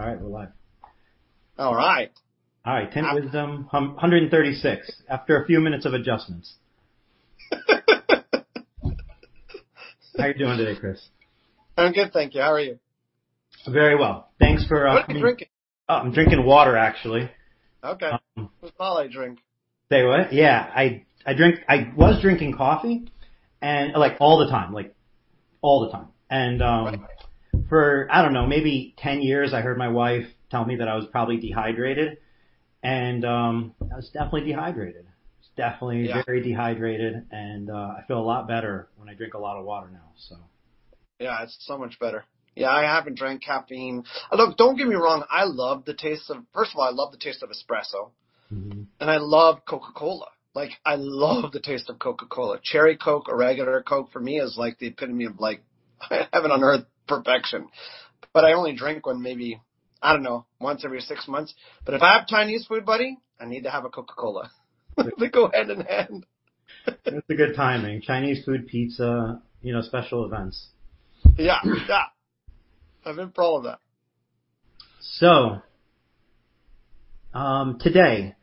All right, we're live. All right. All right. Tint Wiz, 136, after a few minutes of adjustments. How are you doing today, Chris? I'm good, thank you. How are you? Very well. Thanks for What are you drinking? Oh, I'm drinking water, actually. Okay. Um- That's all I drink. Say what? Yeah. I was drinking coffee and like, all the time. Like, all the time. Really? For, I don't know, maybe 10 years, I heard my wife tell me that I was probably dehydrated and I was definitely dehydrated. Yeah... very dehydrated, and, I feel a lot better when I drink a lot of water now, so. Yeah. It's so much better. Yeah, I haven't drank caffeine. Look, don't get me wrong, First of all, I love the taste of espresso. Mm-hmm. I love Coca-Cola. Like, I love the taste of Coca-Cola. Cherry Coke or regular Coke for me is like the epitome of, like, heaven on earth perfection. I only drink one maybe, I don't know, once every six months. If I have Chinese food, buddy, I need to have a Coca-Cola. They go hand in hand. It's a good timing. Chinese food, pizza, you know, special events. Yeah. Yeah. I'm in for all of that. Today.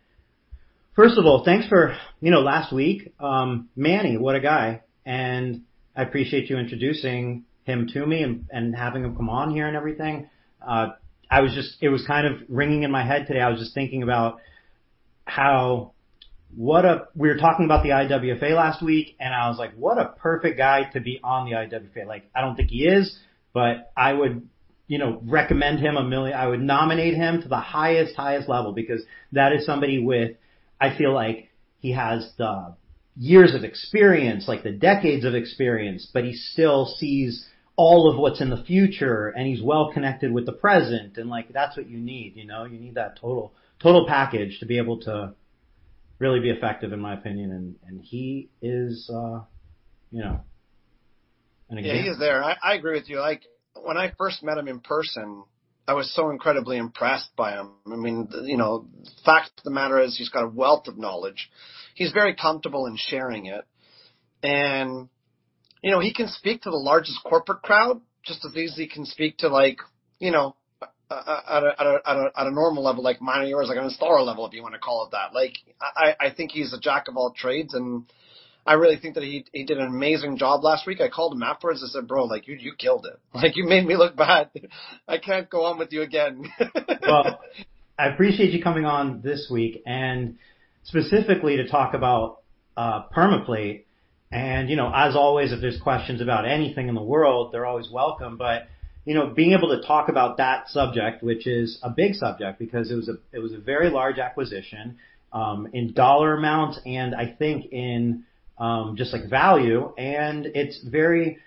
First of all, thanks for, you know, last week. Manny, what a guy, and I appreciate you introducing him to me and having him come on here and everything. It was kind of ringing in my head today. I was just thinking about how we were talking about the IWFA last week, and I was like, "What a perfect guy to be on the IWFA." Like, I don't think he is, but I would, you know, nominate him to the highest level because that is somebody with, I feel like, the years of experience, like, the decades of experience, but he still sees all of what's in the future, and he's well connected with the present and, like, that's what you need, you know. You need that total package to be able to really be effective, in my opinion. He is, you know, an example. Yeah, he is there. I agree with you. Like, when I first met him in person, I was so incredibly impressed by him. I mean, you know, fact of the matter is he's got a wealth of knowledge. He's very comfortable in sharing it. You know, he can speak to the largest corporate crowd just as easily he can speak to like, you know, at a normal level like mine or yours, like an installer level, if you wanna call it that. Like, I think he's a jack of all trades, and I really think that he did an amazing job last week. I called him afterwards and said, "Bro, like, you killed it. Like, you made me look bad. I can't go on with you again. Well, I appreciate you coming on this week and specifically to talk about PermaPlate and, you know, as always, if there's questions about anything in the world, they're always welcome. You know, being able to talk about that subject, which is a big subject because it was a very large acquisition in dollar amounts and I think in just, like, value and it's very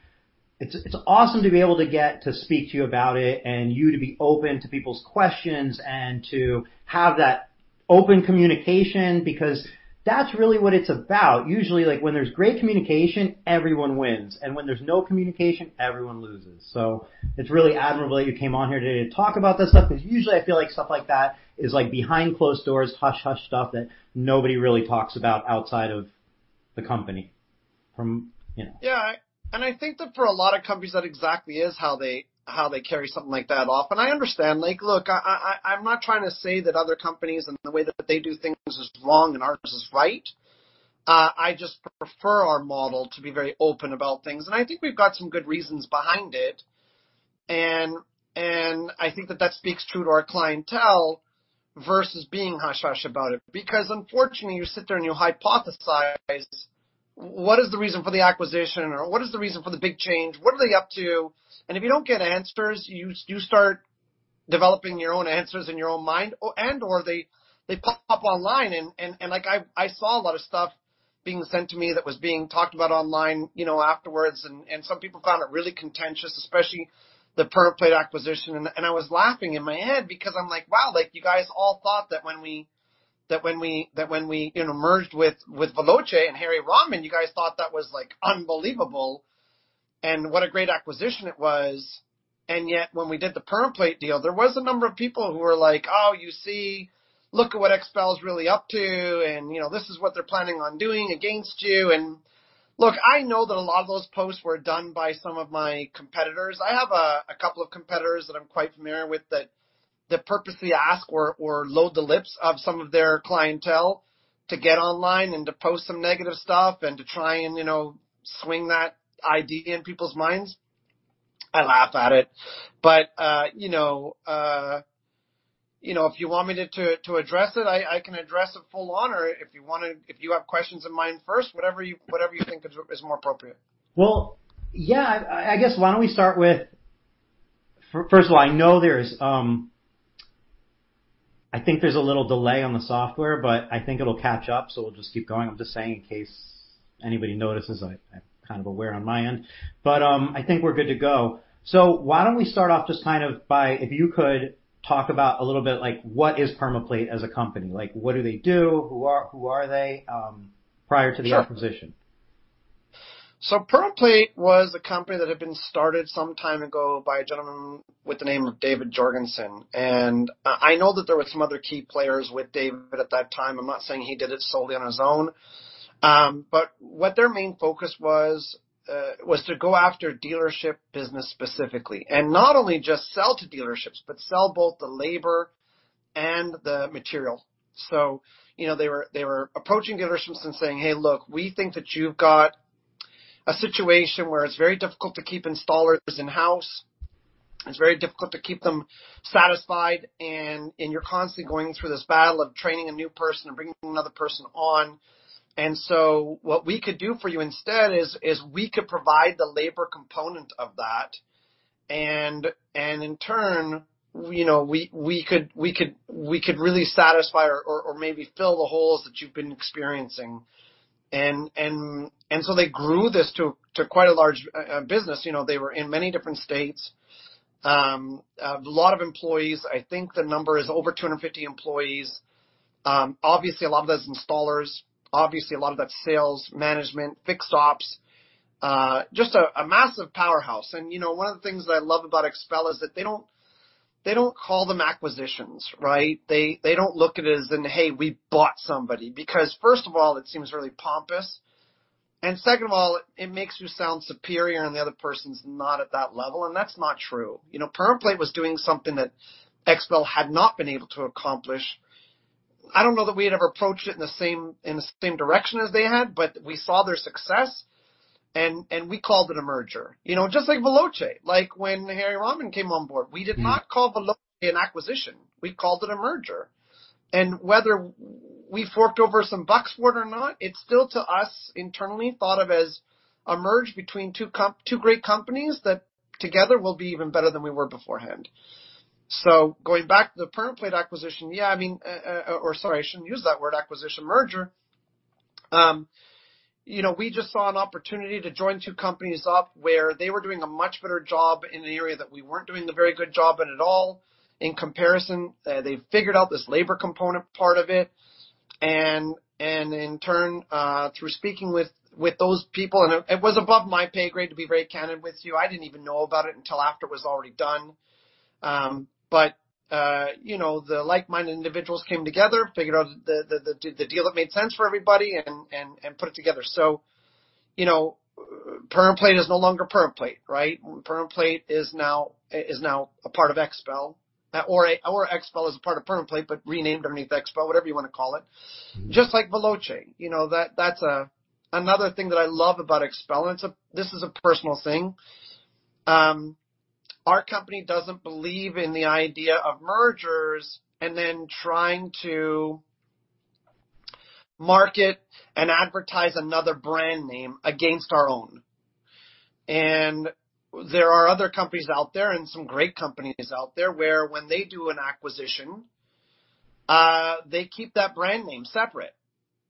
awesome to be able to get to speak to you about it and you to be open to people's questions and to have that open communication because that's really what it's about. Usually, like, when there's great communication, everyone wins, and when there's no communication, everyone loses. it's really admirable that you came on here today to talk about this stuff, 'cause usually I feel like stuff like that is, like, behind closed doors, hush-hush stuff that nobody really talks about outside of the company from, you know. Yeah. I think that for a lot of companies, that exactly is how they carry something like that off, and I understand. Like, look, I'm not trying to say that other companies and the way that they do things is wrong and ours is right. I just prefer our model to be very open about things, and I think we've got some good reasons behind it. I think that that speaks true to our clientele versus being hush-hush about it because unfortunately, you sit there and you hypothesize what is the reason for the acquisition or what is the reason for the big change? What are they up to? If you don't get answers, you start developing your own answers in your own mind or and/or they pop up online and, like, I saw a lot of stuff being sent to me that was being talked about online, you know, afterwards, and some people found it really contentious, especially the PermaPlate acquisition. I was laughing in my head because I'm like, "Wow, like you guys all thought that when we, you know, merged with Veloce and Harry Rahman, you guys thought that was, like, unbelievable and what a great acquisition it was." Yet when we did the PermaPlate deal, there was a number of people who were like, "Oh, you see? Look at what XPEL's really up to and, you know, this is what they're planning on doing against you." Look, I know that a lot of those posts were done by some of my competitors. I have a couple of competitors that I'm quite familiar with that purposely ask or load the lips of some of their clientele to get online and to post some negative stuff and to try and, you know, swing that idea in people's minds. I laugh at it. You know, if you want me to address it, I can address it full on or if you have questions in mind first, whatever you think is more appropriate. Well, yeah. I guess why don't we start with first of all, I know there's a little delay on the software, but I think it'll catch up, so we'll just keep going. I'm just saying in case anybody notices. I'm kind of aware on my end. I think we're good to go. Why don't we start off just kind of by if you could talk about a little bit like what is PermaPlate as a company? Like, what do they do? Who are they prior to the acquisition? PermaPlate was a company that had been started some time ago by a gentleman with the name of David Jorgenson. I know that there were some other key players with David at that time. I'm not saying he did it solely on his own. But what their main focus was was to go after dealership business specifically, and not only just sell to dealerships, but sell both the labor and the material. You know, they were approaching dealerships and saying, "Hey, look, we think that you've got a situation where it's very difficult to keep installers in-house. It's very difficult to keep them satisfied, and you're constantly going through this battle of training a new person or bringing another person on. What we could do for you instead is we could provide the labor component of that. in turn, you know, we could really satisfy or maybe fill the holes that you've been experiencing. So they grew this to quite a large business. You know, they were in many different states. A lot of employees. I think the number is over 250 employees. Obviously, a lot of those installers. Obviously, a lot of that's sales, management, fixed ops, just a massive powerhouse. You know, one of the things that I love about XPEL is that they don't call them acquisitions, right? They don't look at it as in, "Hey, we bought somebody." Because first of all, it seems really pompous, and second of all, it makes you sound superior, and the other person's not at that level, and that's not true. You know, PermaPlate was doing something that XPEL had not been able to accomplish. I don't know that we had ever approached it in the same direction as they had, but we saw their success, and we called it a merger. You know, just like Veloce. Like, when Harry Rahman came on board, we did not call Veloce an acquisition. We called it a merger. Whether we forked over some bucks for it or not, it's still to us internally thought of as a merge between two great companies that together will be even better than we were beforehand. Going back to the PermaPlate acquisition, yeah, I mean, or sorry, I shouldn't use that word, acquisition, merger. You know, we just saw an opportunity to join two companies up where they were doing a much better job in an area that we weren't doing a very good job in at all. In comparison, they figured out this labor component part of it. In turn, through speaking with those people, it was above my pay grade, to be very candid with you. I didn't even know about it until after it was already done. You know, the like-minded individuals came together, figured out the deal that made sense for everybody and put it together. You know, PermaPlate is no longer PermaPlate, right? PermaPlate is now a part of XPEL. Or XPEL is a part of PermaPlate, but renamed underneath XPEL, whatever you wanna call it. Just like Veloce. You know, that's another thing that I love about XPEL, and this is a personal thing. Our company doesn't believe in the idea of mergers and then trying to market and advertise another brand name against our own. There are other companies out there and some great companies out there where when they do an acquisition, they keep that brand name separate,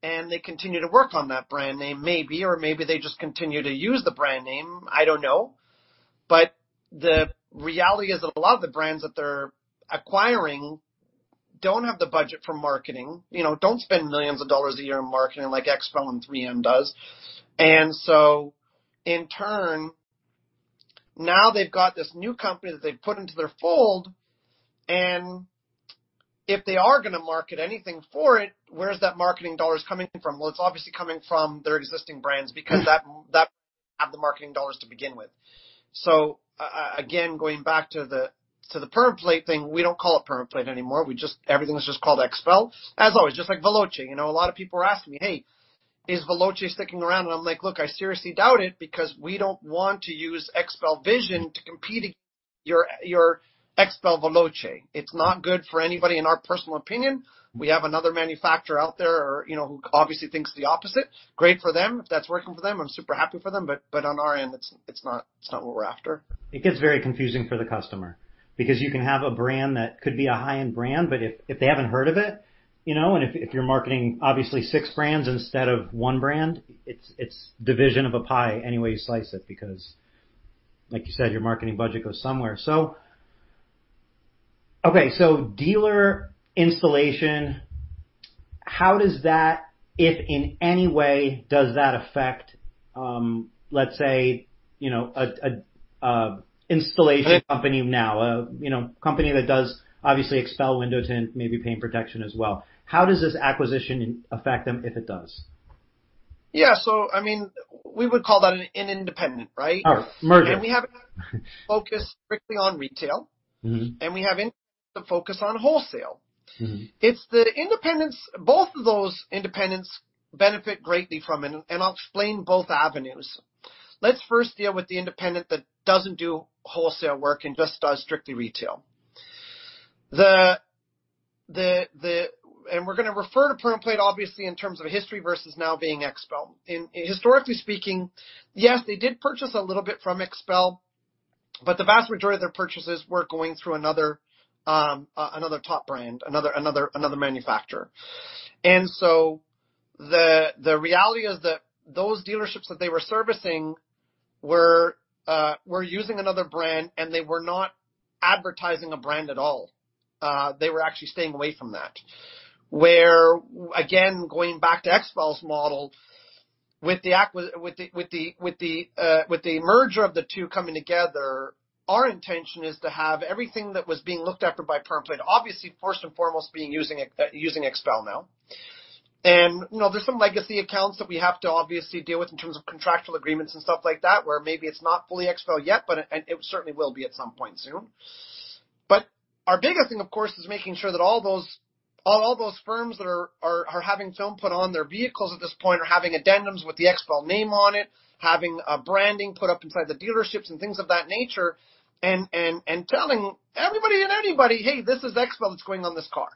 and they continue to work on that brand name maybe or maybe they just continue to use the brand name. I don't know. The reality is that a lot of the brands that they're acquiring don't have the budget for marketing, you know, don't spend millions of dollars a year on marketing like XPEL and 3M does. In turn, now they've got this new company that they've put into their fold, and if they are gonna market anything for it, where's that marketing dollars coming from? Well, it's obviously coming from their existing brands because that have the marketing dollars to begin with. Again, going back to the PermaPlate thing, we don't call it PermaPlate anymore. We just. Everything is just called XPEL. As always, just like Veloce. You know, a lot of people are asking me, "Hey, is Veloce sticking around?" I'm like: Look, I seriously doubt it because we don't want to use XPEL VISION to compete against your XPEL Veloce. It's not good for anybody in our personal opinion. We have another manufacturer out there or, you know, who obviously thinks the opposite. Great for them. If that's working for them, I'm super happy for them. On our end, it's not what we're after. It gets very confusing for the customer because you can have a brand that could be a high-end brand, but if they haven't heard of it, you know, and if you're marketing obviously six brands instead of one brand, it's division of a pie any way you slice it because, like you said, your marketing budget goes somewhere. Dealer installation, how does that, if in any way, does that affect, let's say, you know, a installation company now, a, you know, company that does obviously XPEL window tint, maybe paint protection as well. How does this acquisition affect them if it does? Yeah. I mean, we would call that an independent, right? Oh, merger. We have a focus strictly on retail. Mm-hmm. We have a focus on wholesale. Mm-hmm. It's the independents, both of those independents benefit greatly from it, and I'll explain both avenues. Let's first deal with the independent that doesn't do wholesale work and just does strictly retail. We're gonna refer to PermaPlate obviously in terms of history versus now being XPEL. Historically speaking, yes, they did purchase a little bit from XPEL, but the vast majority of their purchases were going through another top brand, another manufacturer. The reality is that those dealerships that they were servicing were using another brand, and they were not advertising a brand at all. They were actually staying away from that. Where again, going back to XPEL's model, with the merger of the two coming together, our intention is to have everything that was being looked after by PermaPlate, obviously first and foremost being using XPEL now. You know, there's some legacy accounts that we have to obviously deal with in terms of contractual agreements and stuff like that, where maybe it's not fully XPEL yet, but it certainly will be at some point soon. Our biggest thing, of course, is making sure that all those firms that are having film put on their vehicles at this point are having addendums with the XPEL name on it, having branding put up inside the dealerships and things of that nature, and telling everybody and anybody, "Hey, this is XPEL that's going on this car."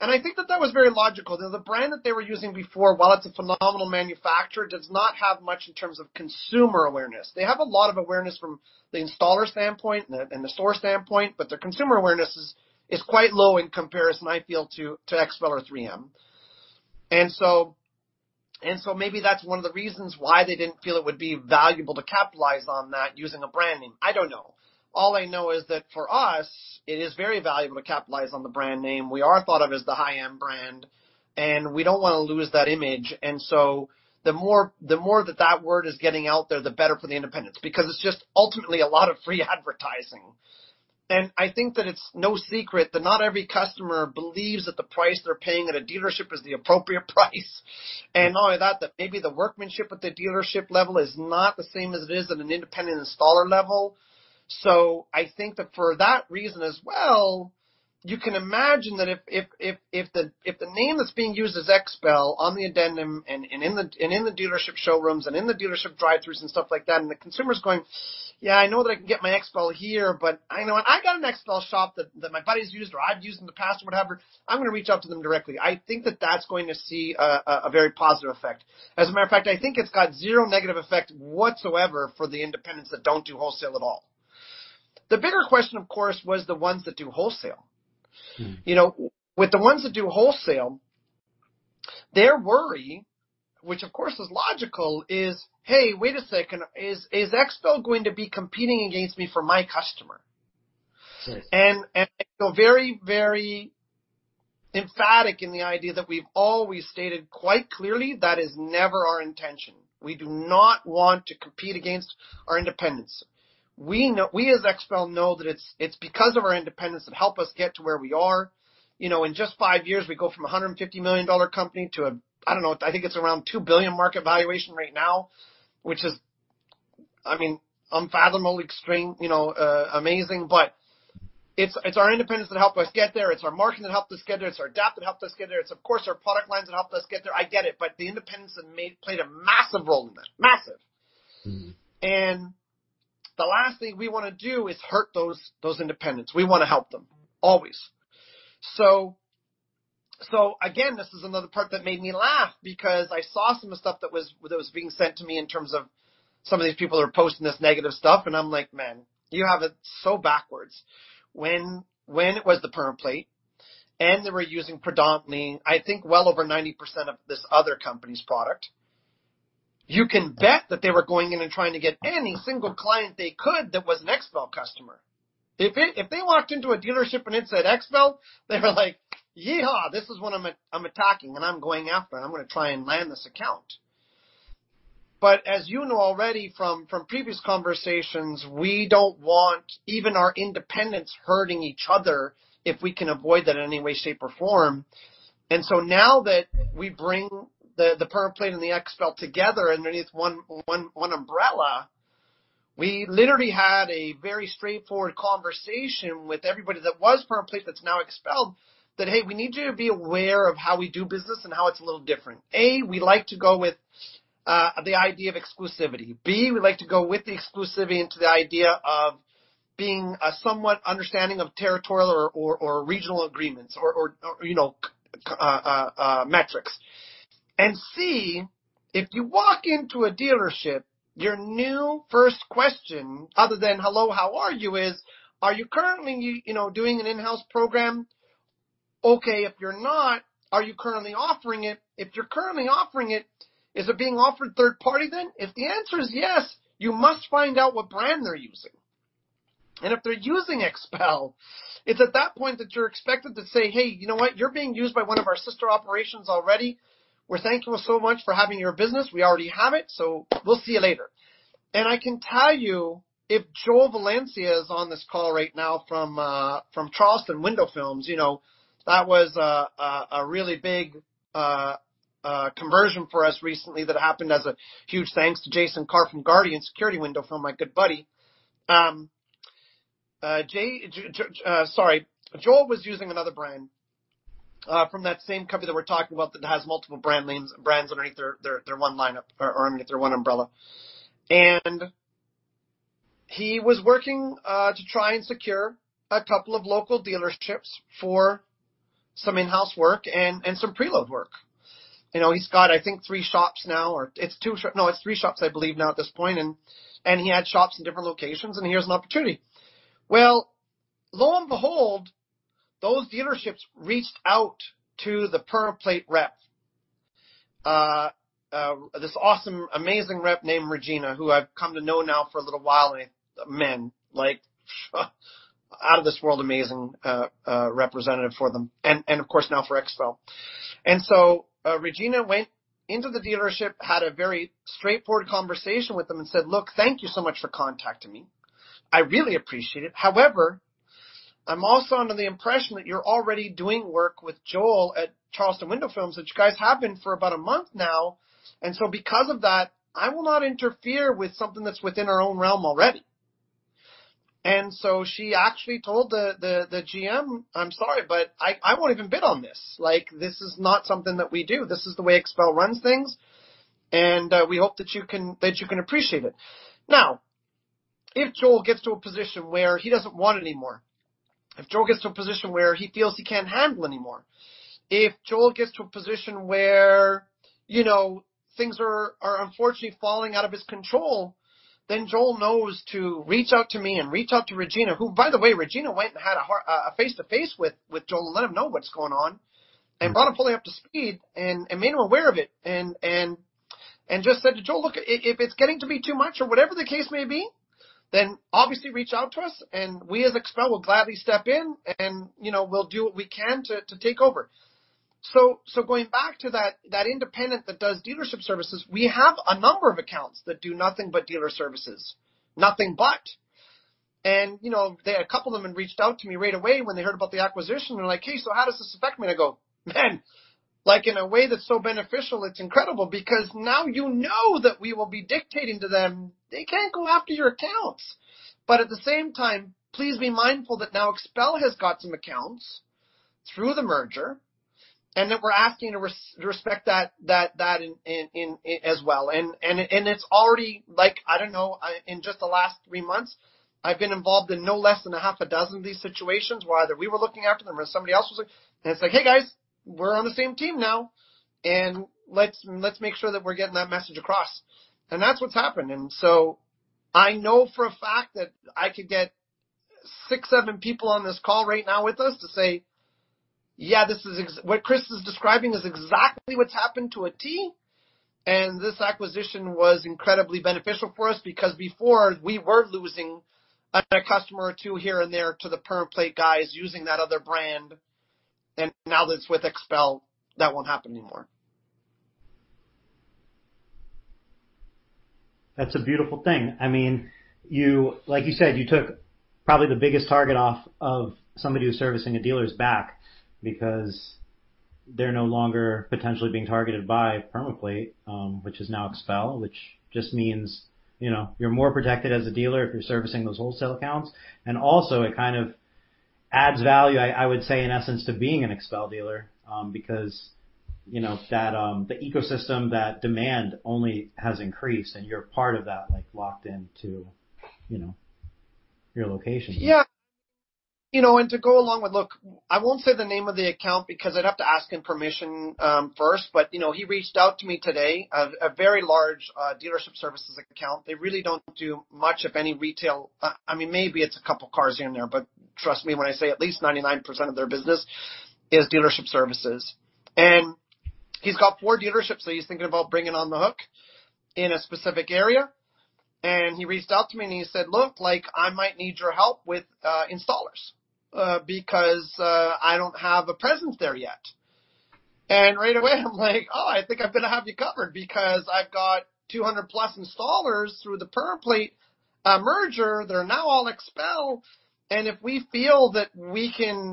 I think that was very logical. The brand that they were using before, while it's a phenomenal manufacturer, does not have much in terms of consumer awareness. They have a lot of awareness from the installer standpoint and the store standpoint, but their consumer awareness is quite low in comparison, I feel to XPEL or 3M. Maybe that's one of the reasons why they didn't feel it would be valuable to capitalize on that using a brand name. I don't know. All I know is that for us, it is very valuable to capitalize on the brand name. We are thought of as the high-end brand, and we don't wanna lose that image. The more that word is getting out there, the better for the independents, because it's just ultimately a lot of free advertising. I think that it's no secret that not every customer believes that the price they're paying at a dealership is the appropriate price. Not only that, maybe the workmanship at the dealership level is not the same as it is at an independent installer level. I think that for that reason as well, you can imagine that if the name that's being used is XPEL on the addendum and in the dealership showrooms and in the dealership drive-throughs and stuff like that, and the consumer's going, "Yeah, I know that I can get my XPEL here, but I know I got an XPEL shop that my buddies used or I've used in the past or whatever, I'm gonna reach out to them directly." I think that that's going to see a very positive effect. As a matter of fact, I think it's got zero negative effect whatsoever for the independents that don't do wholesale at all. The bigger question, of course, was the ones that do wholesale. Mm-hmm. You know, with the ones that do wholesale, their worry, which of course is logical, is, "Hey, wait a second. Is XPEL going to be competing against me for my customer? Sure. They're very, very emphatic in the idea that we've always stated quite clearly that is never our intention. We do not want to compete against our independents. We know, we as XPEL know that it's because of our independents that help us get to where we are. You know, in just five years we go from a $150 million company to a, I don't know, I think it's around $2 billion market valuation right now, which is, I mean, unfathomably extreme, you know, amazing. But it's our independents that helped us get there. It's our marketing that helped us get there. It's our DAP that helped us get there. It's of course our product lines that helped us get there. I get it, but the independents have played a massive role in that. Massive. Mm-hmm. The last thing we wanna do is hurt those independents. We wanna help them, always. So again, this is another part that made me laugh because I saw some of the stuff that was being sent to me in terms of some of these people are posting this negative stuff, and I'm like, "Man, you have it so backwards." When it was the PermaPlate, and they were using predominantly, I think, well over 90% of this other company's product, you can bet that they were going in and trying to get any single client they could that was an XPEL customer. If they walked into a dealership and it said XPEL, they were like, "Yee-haw, this is what I'm at, I'm attacking, and I'm going after, and I'm gonna try and land this account." But as you know already from previous conversations, we don't want even our independents hurting each other if we can avoid that in any way, shape, or form. Now that we bring the PermaPlate and the XPEL together underneath one umbrella, we literally had a very straightforward conversation with everybody that was PermaPlate that's now XPEL, that hey, we need you to be aware of how we do business and how it's a little different. We like to go with the idea of exclusivity. B, we like to go with the exclusivity into the idea of being somewhat understanding of territorial or regional agreements or you know key metrics. C, if you walk into a dealership, your very first question, other than "Hello, how are you?" is "Are you currently, you know, doing an in-house program? Okay. If you're not, are you currently offering it? If you're currently offering it, is it being offered third party then?" If the answer is yes, you must find out what brand they're using. And if they're using XPEL, it's at that point that you're expected to say, "Hey, you know what? You're being used by one of our sister operations already. We're thanking you so much for your business. We already have it, so we'll see you later." I can tell you if Joel Valencia is on this call right now from Charleston Window Film, you know, that was a really big conversion for us recently that happened as a huge thanks to Jason Carr from Guardian Security Window Films, my good buddy. Sorry, Joel was using another brand from that same company that we're talking about that has multiple brand names, brands underneath their one lineup or, I mean, their one umbrella. He was working to try and secure a couple of local dealerships for some in-house work and some preload work. You know, he's got, I think, three shops now, or it's three shops, I believe, now at this point. He had shops in different locations, and here's an opportunity. Well, lo and behold, those dealerships reached out to the PermaPlate rep, this awesome, amazing rep named Regina, who I've come to know now for a little while, and man, like out of this world amazing representative for them and of course now for XPEL. Regina went into the dealership, had a very straightforward conversation with them and said, "Look, thank you so much for contacting me. I really appreciate it. However, I'm also under the impression that you're already doing work with Joel at Charleston Window Film, which you guys have been for about a month now. And so because of that, I will not interfere with something that's within our own realm already. She actually told the GM, "I'm sorry, but I won't even bid on this. Like, this is not something that we do. This is the way XPEL runs things, and we hope that you can appreciate it. Now, if Joel gets to a position where he doesn't want it anymore, if Joel gets to a position where he feels he can't handle anymore, if Joel gets to a position where, you know, things are unfortunately falling out of his control, then Joel knows to reach out to me and reach out to Regina, who by the way, Regina went and had a face-to-face with Joel to let him know what's going on and brought him fully up to speed and just said to Joel, "Look, if it's getting to be too much or whatever the case may be, then obviously reach out to us, and we as XPEL will gladly step in and, you know, we'll do what we can to take over." Going back to that independent that does dealership services, we have a number of accounts that do nothing but dealer services. Nothing but. You know, a couple of them had reached out to me right away when they heard about the acquisition. They're like, "Hey, so how does this affect me?" I go, "Man, like, in a way that's so beneficial, it's incredible because now you know that we will be dictating to them, they can't go after your accounts. But at the same time, please be mindful that now XPEL has got some accounts through the merger, and that we're asking to respect that in as well." It's already like, I don't know, in just the last three months, I've been involved in no less than a half a dozen of these situations where either we were looking after them or somebody else was like. It's like, "Hey, guys, we're on the same team now, and let's make sure that we're getting that message across." That's what's happened. I know for a fact that I could get six, seven people on this call right now with us to say, "Yeah, this is what Chris is describing is exactly what's happened to a T. This acquisition was incredibly beneficial for us because before we were losing a customer or two here and there to the PermaPlate guys using that other brand. Now that it's with XPEL, that won't happen anymore. That's a beautiful thing. I mean, you, like you said, you took probably the biggest target off of somebody who's servicing a dealer's back because they're no longer potentially being targeted by PermaPlate, which is now XPEL, which just means, you know, you're more protected as a dealer if you're servicing those wholesale accounts. Also it kind of adds value I would say, in essence, to being an XPEL dealer, because, you know, that, the ecosystem, that demand only has increased and you're part of that, like, locked into, you know, your location. Look, I won't say the name of the account because I'd have to ask him permission first, but you know, he reached out to me today, a very large dealership services account. They really don't do much of any retail. I mean, maybe it's a couple cars here and there, but trust me when I say at least 99% of their business is dealership services. He's got four dealerships that he's thinking about bringing on the hook in a specific area. He reached out to me, and he said, "Look, like, I might need your help with installers because I don't have a presence there yet." Right away I'm like, "Oh, I think I'm gonna have you covered because I've got 200+ installers through the PermaPlate merger that are now all XPEL. If we feel that we can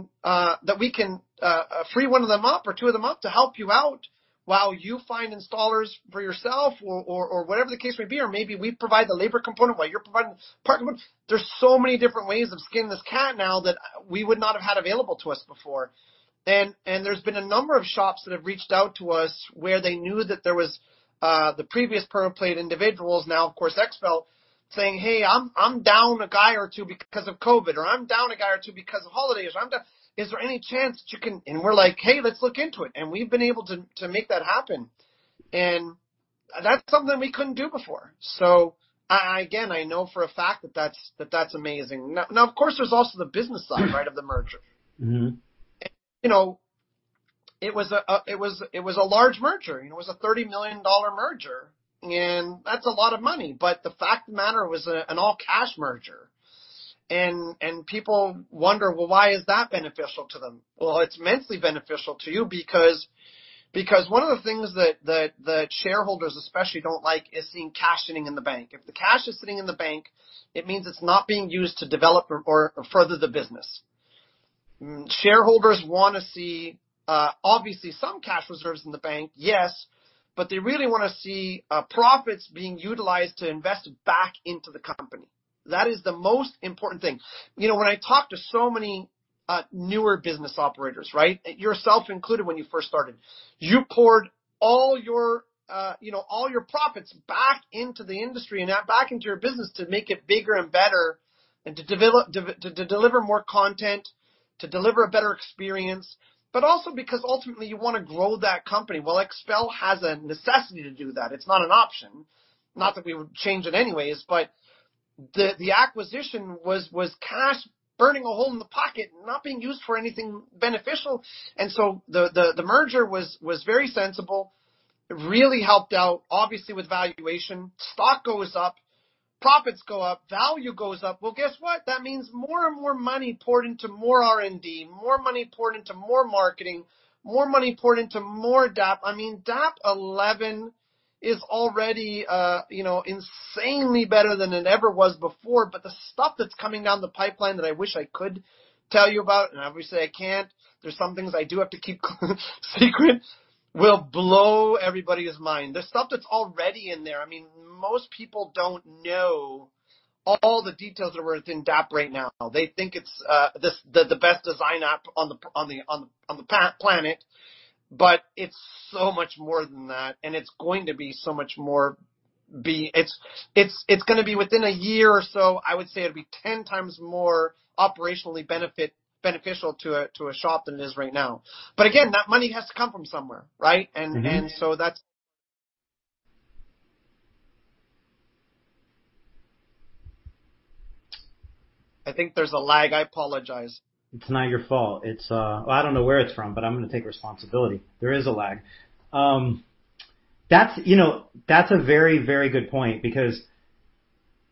free one of them up or two of them up to help you out while you find installers for yourself or whatever the case may be, or maybe we provide the labor component while you're providing parts. There's so many different ways of skinning this cat now that we would not have had available to us before. There's been a number of shops that have reached out to us where they knew that there was the previous PermaPlate individuals, now, of course, XPEL, saying, 'Hey, I'm down a guy or two because of COVID,' or, 'I'm down a guy or two because of holidays. Is there any chance that you can...' We're like, 'Hey, let's look into it.' We've been able to make that happen. That's something we couldn't do before. So again, I know for a fact that that's amazing. Now of course there's also the business side, right, of the merger. Mm-hmm. You know, it was a large merger. It was a $30 million merger, and that's a lot of money. But the fact of the matter was an all-cash merger. People wonder, well, why is that beneficial to them? Well, it's immensely beneficial to you because one of the things that the shareholders especially don't like is seeing cash sitting in the bank. If the cash is sitting in the bank, it means it's not being used to develop or further the business. Shareholders wanna see, obviously, some cash reserves in the bank, yes, but they really wanna see profits being utilized to invest back into the company. That is the most important thing. You know, when I talk to so many newer business operators, right? Yourself included when you first started. You poured all your, you know, all your profits back into the industry and now back into your business to make it bigger and better and to deliver more content, to deliver a better experience, but also because ultimately you wanna grow that company. Well, XPEL has a necessity to do that. It's not an option. Not that we would change it anyways, but the acquisition was cash burning a hole in the pocket not being used for anything beneficial. The merger was very sensible. It really helped out, obviously, with valuation. Stock goes up, profits go up, value goes up. Well, guess what? That means more and more money poured into more money poured into more marketing, more money poured into more DAP. I mean, DAP 11 is already, you know, insanely better than it ever was before, but the stuff that's coming down the pipeline that I wish I could tell you about, and obviously I can't, there's some things I do have to keep secret, will blow everybody's mind. The stuff that's already in there, I mean, most people don't know all the details that are within DAP right now. They think it's this, the best design app on the planet, but it's so much more than that, and it's going to be so much more. It's gonna be within a year or so, I would say it'll be ten times more operationally beneficial to a shop than it is right now. But again, that money has to come from somewhere, right? Mm-hmm. I think there's a lag. I apologize. It's not your fault. It's... Well, I don't know where it's from, but I'm gonna take responsibility. There is a lag. That's, you know, that's a very, very good point because,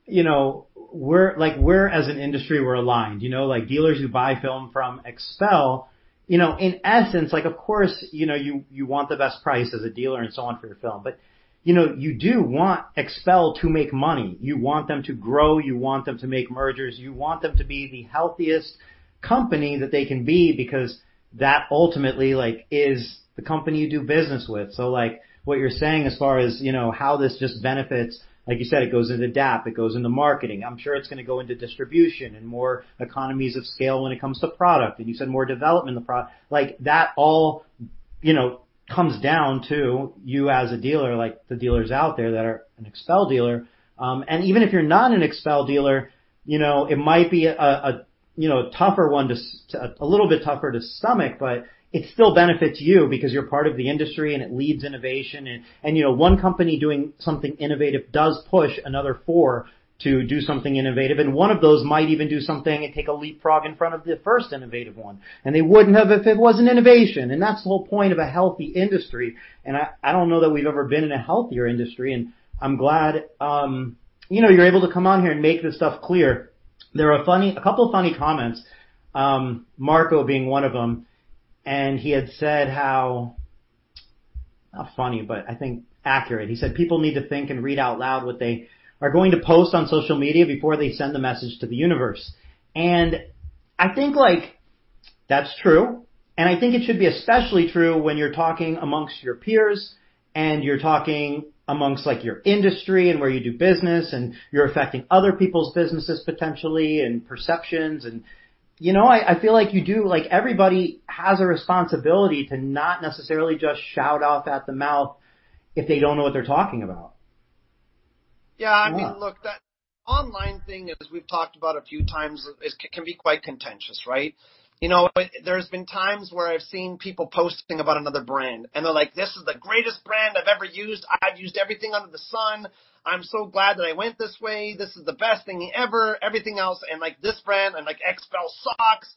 you know, we're like, we're as an industry, we're aligned. You know, like dealers who buy film from XPEL, you know, in essence, like, of course, you know, you want the best price as a dealer and so on for your film. But, you know, you do want XPEL to make money. You want them to grow, you want them to make mergers, you want them to be the healthiest company that they can be because that ultimately, like, is the company you do business with. So, like, what you're saying as far as, you know, how this just benefits, like you said, it goes into DAP, it goes into marketing. I'm sure it's gonna go into distribution and more economies of scale when it comes to product, and you said more development. Like, that's all, you know, comes down to you as a dealer, like the dealers out there that are an XPEL dealer. Even if you're not an XPEL dealer, you know, it might be a little bit tougher to stomach, but it still benefits you because you're part of the industry and it leads to innovation, you know, one company doing something innovative does push another forward to do something innovative, and one of those might even do something and take a leapfrog in front of the first innovative one, and they wouldn't have if it wasn't innovation, and that's the whole point of a healthy industry. I don't know that we've ever been in a healthier industry, and I'm glad, you know, you're able to come on here and make this stuff clear. There are a couple funny comments, Marco being one of them, and he had said how, not funny, but I think accurate. He said, "People need to think and read out loud what they are going to post on social media before they send the message to the universe." I think, like, that's true, and I think it should be especially true when you're talking amongst your peers and you're talking amongst, like, your industry and where you do business and you're affecting other people's businesses potentially and perceptions. You know, like, everybody has a responsibility to not necessarily just shout off at the mouth if they don't know what they're talking about. Yeah. You know? I mean, look, that online thing, as we've talked about a few times, can be quite contentious, right? You know, there's been times where I've seen people posting about another brand, and they're like, "This is the greatest brand I've ever used. I've used everything under the sun. I'm so glad that I went this way. This is the best thing ever, everything else, and, like, this brand, and, like, XPEL sucks."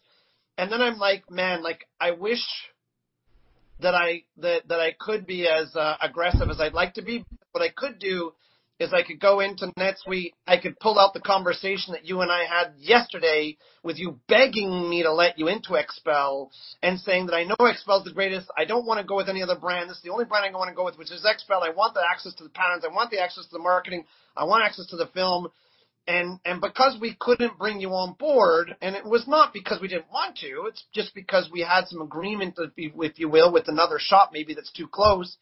I'm like, "Man," like, I wish that I could be as aggressive as I'd like to be, but what I could do is I could go into NetSuite, I could pull out the conversation that you and I had yesterday with you begging me to let you into XPEL and saying that, "I know XPEL's the greatest. I don't wanna go with any other brand. This is the only brand I wanna go with, which is XPEL. I want the access to the patterns. I want the access to the marketing. I want access to the film. Because we couldn't bring you on board, and it was not because we didn't want to, it's just because we had some agreement, if you will, with another shop maybe that's too close,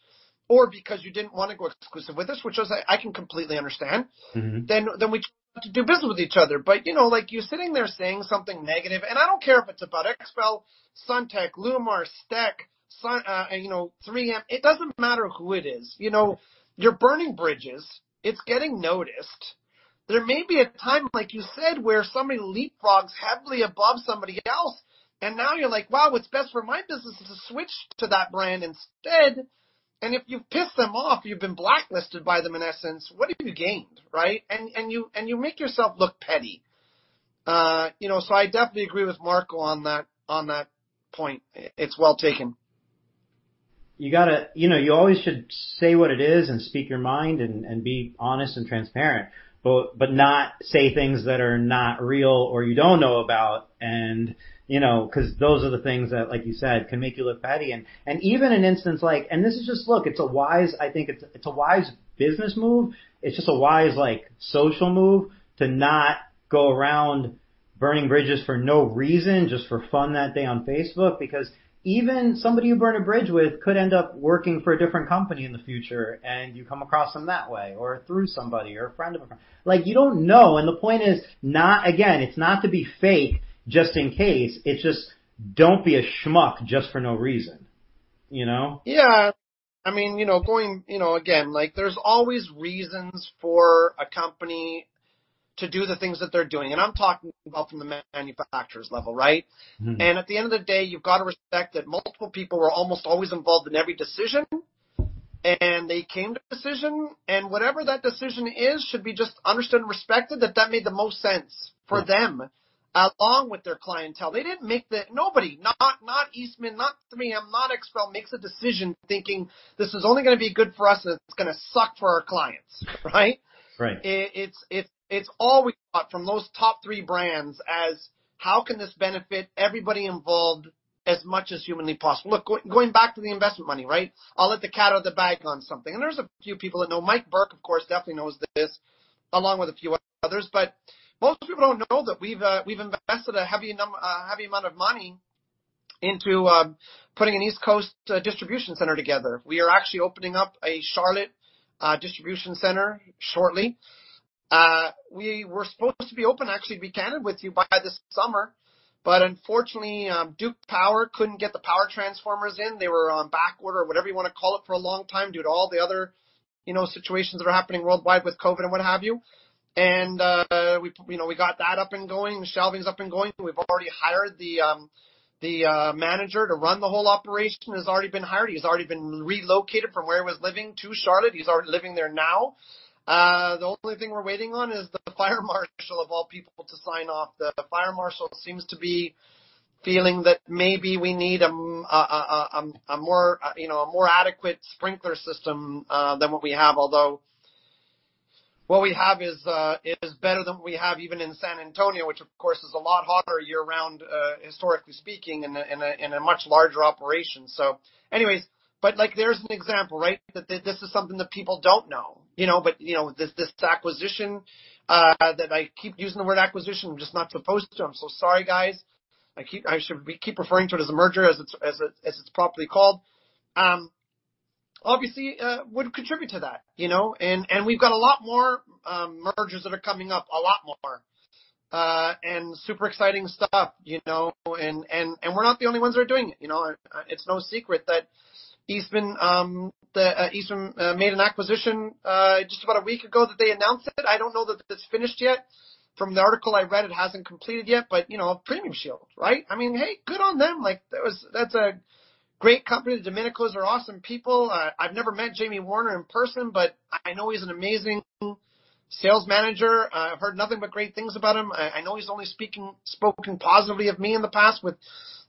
or because you didn't wanna go exclusive with us, which was, I can completely understand. Mm-hmm. We chose not to do business with each other. You know, like you're sitting there saying something negative, and I don't care if it's about XPEL, SunTek, LLumar, STEK, you know, 3M. It doesn't matter who it is. You know, you're burning bridges. It's getting noticed. There may be a time, like you said, where somebody leapfrogs heavily above somebody else, and now you're like, "Wow, what's best for my business is to switch to that brand instead." If you've pissed them off, you've been blacklisted by them. In essence, what have you gained, right? You make yourself look petty. You know, I definitely agree with Marco on that point. It's well taken. You gotta, you know, you always should say what it is and speak your mind and be honest and transparent, but not say things that are not real or you don't know about and, you know, 'cause those are the things that, like you said, can make you look petty. Look, I think it's a wise business move. It's just a wise, like, social move to not go around burning bridges for no reason, just for fun that day on Facebook. Because even somebody you burn a bridge with could end up working for a different company in the future, and you come across them that way or through somebody or a friend of a friend. Like, you don't know, and the point is not again, it's not to be fake just in case. It's just, don't be a schmuck just for no reason, you know. Yeah. I mean, you know, going, you know, again, like there's always reasons for a company to do the things that they're doing, and I'm talking about from the manufacturer's level, right? Mm-hmm. At the end of the day, you've got to respect that multiple people were almost always involved in every decision, and they came to a decision, and whatever that decision is should be just understood and respected that that made the most sense for them along with their clientele. Nobody, not Eastman, not 3M, not XPEL, makes a decision thinking, "This is only gonna be good for us and it's gonna suck for our clients," right? Right. It's all we got from those top three brands as how can this benefit everybody involved as much as humanly possible. Look, going back to the investment money, right? I'll let the cat out of the bag on something. There's a few people that know. Mike Burk, of course, definitely knows this, along with a few others. But most people don't know that we've invested a heavy amount of money into putting an East Coast distribution center together. We are actually opening up a Charlotte distribution center shortly. We were supposed to be open, actually, to be candid with you, by this summer, but unfortunately, Duke Energy couldn't get the power transformers in. They were on backorder or whatever you wanna call it for a long time due to all the other, you know, situations that are happening worldwide with COVID and what have you. We, you know, we got that up and going, the shelving's up and going. We've already hired the manager to run the whole operation. He's already been hired. He's already been relocated from where he was living to Charlotte. He's living there now. The only thing we're waiting on is the fire marshal of all people to sign off. The fire marshal seems to be feeling that maybe we need a more, you know, a more adequate sprinkler system than what we have. Although what we have is better than what we have even in San Antonio, which of course is a lot hotter year-round, historically speaking, in a much larger operation. Anyways, like, there's an example, right? This is something that people don't know, you know. You know, this acquisition that I keep using the word acquisition, I'm just not supposed to. I'm so sorry, guys. We keep referring to it as a merger as it's properly called. Obviously, it would contribute to that, you know. We're not the only ones that are doing it, you know. It's no secret that Eastman made an acquisition just about a week ago that they announced it. I don't know that it's finished yet. From the article I read, it hasn't completed yet, but you know, PremiumShield, right? I mean, hey, good on them. Like, that was a great company. The Domenicos are awesome people. I've never met Jamie Warner in person, but I know he's an amazing sales manager. I've heard nothing but great things about him. I know he's only spoken positively of me in the past with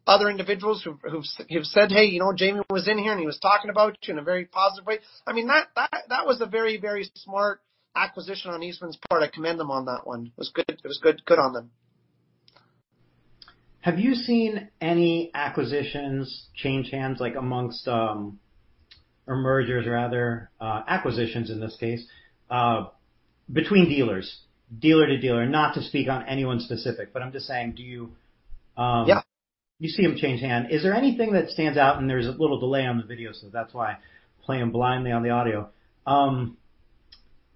other individuals who've said, "Hey, you know, Jamie was in here, and he was talking about you in a very positive way." I mean, that was a very smart acquisition on Eastman's part. I commend them on that one. It was good. It was good. Good on them. Have you seen any acquisitions change hands like amongst, or mergers rather, acquisitions in this case, between dealers, dealer to dealer? Not to speak on anyone specific, but I'm just saying, do you, Yeah. You see them change hands. Is there anything that stands out? There's a little delay on the video, so that's why playing blindly on the audio.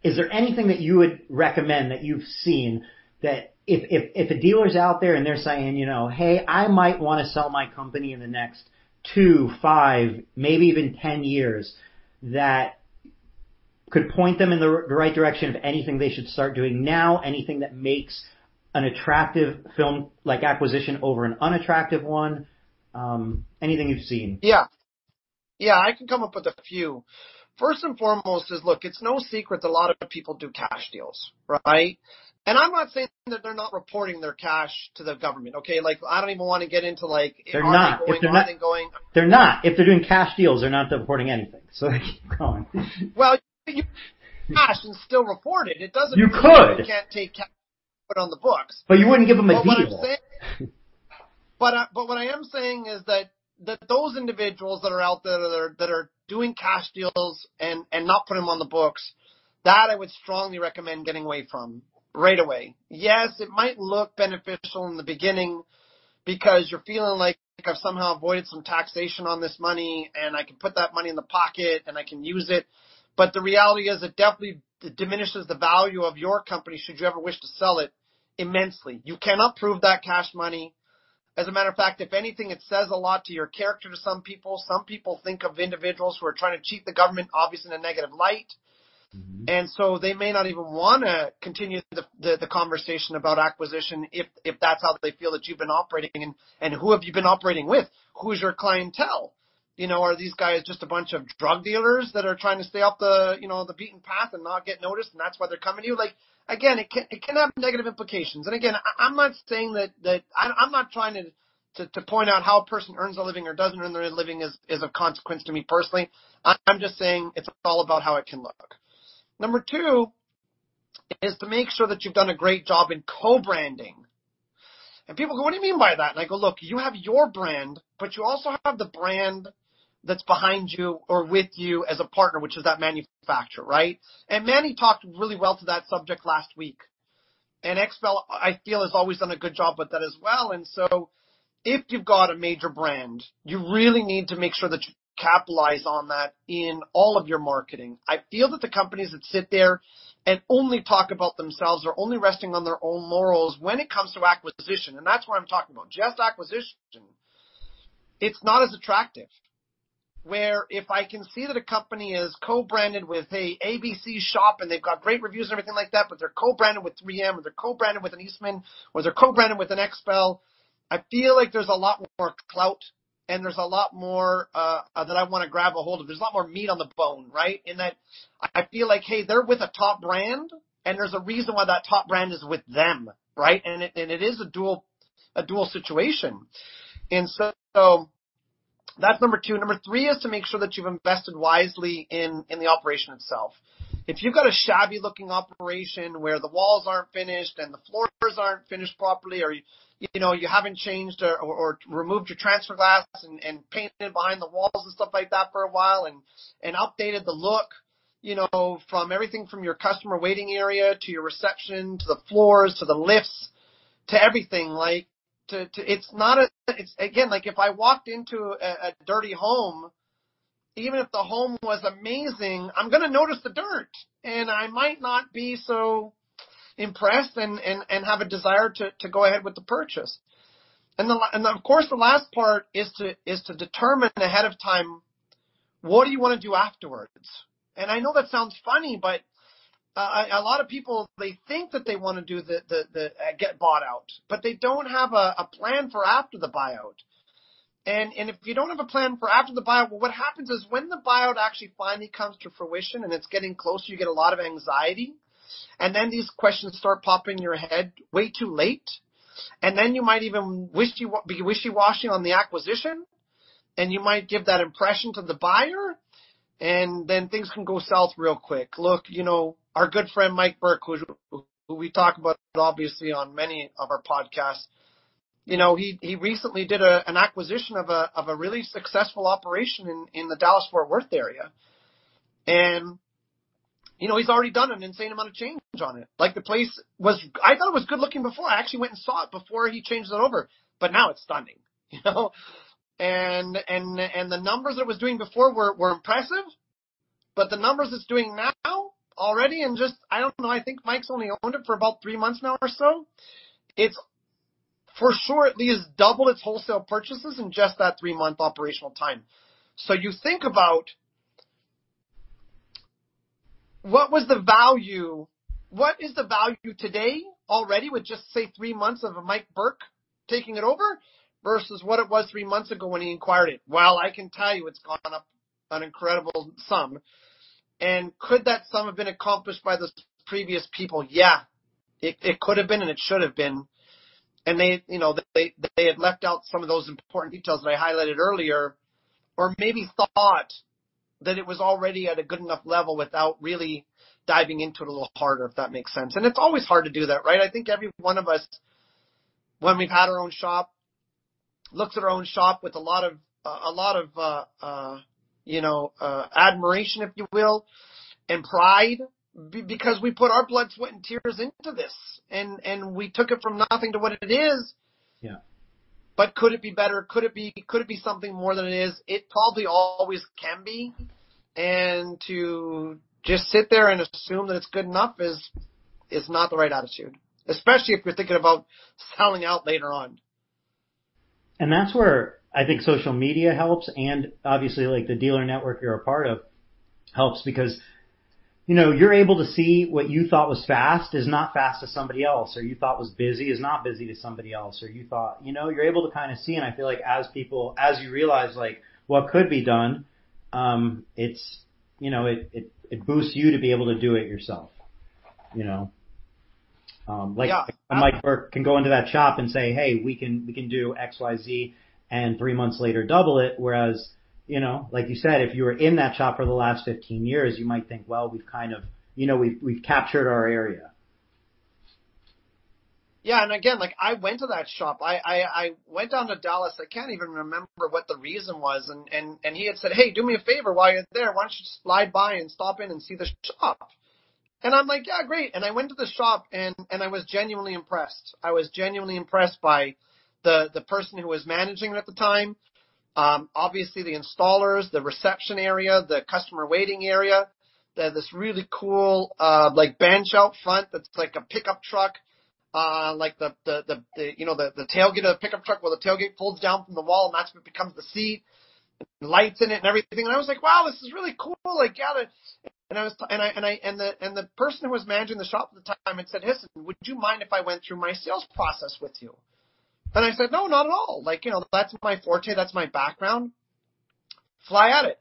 Is there anything that you would recommend that you've seen that if a dealer's out there and they're saying, you know, "Hey, I might wanna sell my company in the next two, five, maybe even 10 years," that could point them in the right direction of anything they should start doing now? Anything that makes an attractive film-like acquisition over an unattractive one? Anything you've seen? Yeah. Yeah, I can come up with a few. First and foremost is, look, it's no secret that a lot of people do cash deals, right? I'm not saying that they're not reporting their cash to the government, okay? Like, I don't even wanna get into, like. They're not. If they're not Are they going to go in and going? They're not. If they're doing cash deals, they're not reporting anything. Sorry, keep going. Well, you take cash and still report it. It doesn't mean. You could. You can't take cash and put it on the books. You wouldn't give them a deal. What I am saying is that those individuals that are out there that are doing cash deals and not putting them on the books, that I would strongly recommend getting away from right away. Yes, it might look beneficial in the beginning because you're feeling like I've somehow avoided some taxation on this money, and I can put that money in the pocket, and I can use it. The reality is it definitely diminishes the value of your company should you ever wish to sell it immensely. You cannot prove that cash money. As a matter of fact, if anything, it says a lot to your character to some people. Some people think of individuals who are trying to cheat the government, obviously, in a negative light. Mm-hmm. They may not even wanna continue the conversation about acquisition if that's how they feel that you've been operating and who have you been operating with. Who's your clientele? You know, are these guys just a bunch of drug dealers that are trying to stay off the, you know, the beaten path and not get noticed, and that's why they're coming to you? Like, again, it can have negative implications. I'm not saying that I'm not trying to point out how a person earns a living or doesn't earn their living is of consequence to me personally. I'm just saying it's all about how it can look. Number two is to make sure that you've done a great job in co-branding. People go, "What do you mean by that?" I go, "Look, you have your brand, but you also have the brand that's behind you or with you as a partner, which is that manufacturer, right?" Manny talked really well to that subject last week. XPEL, I feel, has always done a good job with that as well. If you've got a major brand, you really need to make sure that you capitalize on that in all of your marketing. I feel that the companies that sit there and only talk about themselves are only resting on their own laurels when it comes to acquisition, and that's what I'm talking about, just acquisition. It's not as attractive. Whereas if I can see that a company is co-branded with a ABC shop and they've got great reviews and everything like that, but they're co-branded with 3M, or they're co-branded with an Eastman, or they're co-branded with an XPEL, I feel like there's a lot more clout and there's a lot more that I wanna grab a hold of. There's a lot more meat on the bone, right? In that I feel like, hey, they're with a top brand and there's a reason why that top brand is with them, right? It is a dual situation. That's number two. Number three is to make sure that you've invested wisely in the operation itself. If you've got a shabby-looking operation where the walls aren't finished and the floors aren't finished properly, or you know, you haven't changed or removed your transfer glass and painted behind the walls and stuff like that for a while and updated the look, you know, from everything from your customer waiting area to your reception, to the floors, to the lifts, to everything, like, to. It's again, like, if I walked into a dirty home, even if the home was amazing, I'm gonna notice the dirt, and I might not be so impressed and have a desire to go ahead with the purchase. The last and of course, the last part is to determine ahead of time, what do you wanna do afterwards? I know that sounds funny, but a lot of people, they think that they wanna get bought out, but they don't have a plan for after the buyout. If you don't have a plan for after the buyout, what happens is when the buyout actually finally comes to fruition and it's getting closer, you get a lot of anxiety, and then these questions start popping in your head way too late. Then you might even be wishy-washy on the acquisition, and you might give that impression to the buyer, and then things can go south real quick. Look, you know, our good friend Mike Burke, who we talk about obviously on many of our podcasts, you know, he recently did an acquisition of a really successful operation in the Dallas-Fort Worth area. You know, he's already done an insane amount of change on it. Like, the place was good-looking before, I thought. I actually went and saw it before he changed it over, but now it's stunning, you know. The numbers it was doing before were impressive, but the numbers it's doing now already in just, I don't know, I think Mike's only owned it for about three months now or so. It's for sure at least doubled its wholesale purchases in just that three-month operational time. You think about what is the value today already with just, say, three months of Mike Burke taking it over versus what it was three months ago when he acquired it? Well, I can tell you it's gone up an incredible sum. Could that sum have been accomplished by those previous people? Yeah, it could have been, and it should have been. They, you know, had left out some of those important details that I highlighted earlier or maybe thought that it was already at a good enough level without really diving into it a little harder, if that makes sense. It's always hard to do that, right? I think every one of us, when we've had our own shop, looks at our own shop with a lot of you know, admiration, if you will, and pride because we put our blood, sweat, and tears into this, and we took it from nothing to what it is. Yeah. Could it be better? Could it be something more than it is? It probably always can be. To just sit there and assume that it's good enough is not the right attitude, especially if you're thinking about selling out later on. That's where I think social media helps, and obviously, like, the dealer network you're a part of helps because, you know, you're able to see what you thought was fast is not fast to somebody else, or you thought was busy is not busy to somebody else, or you thought you know, you're able to kinda see, and I feel like as you realize, like, what could be done, it's, you know, it boosts you to be able to do it yourself, you know? Like- Yeah. Mike Burke can go into that shop and say, "Hey, we can do X, Y, Z," and three months later, double it. Whereas, you know, like you said, if you were in that shop for the last 15 years, you might think, "Well, we've kind of, you know, we've captured our area. Yeah. Again, like, I went to that shop. I went down to Dallas. I can't even remember what the reason was. He had said, "Hey, do me a favor. While you're there, why don't you just slide by and stop in and see the shop?" I'm like, "Yeah, great." I went to the shop, and I was genuinely impressed. I was genuinely impressed by the person who was managing it at the time. Obviously the installers, the reception area, the customer waiting area. They had this really cool, like, bench out front that's like a pickup truck, like the tailgate of a pickup truck, where the tailgate pulls down from the wall, and that's what becomes the seat. Lights in it and everything. I was like, "Wow, this is really cool. Like, yeah, let's..." The person who was managing the shop at the time had said, "Listen, would you mind if I went through my sales process with you?" I said, "No, not at all. Like, you know, that's my forte, that's my background. Fly at it."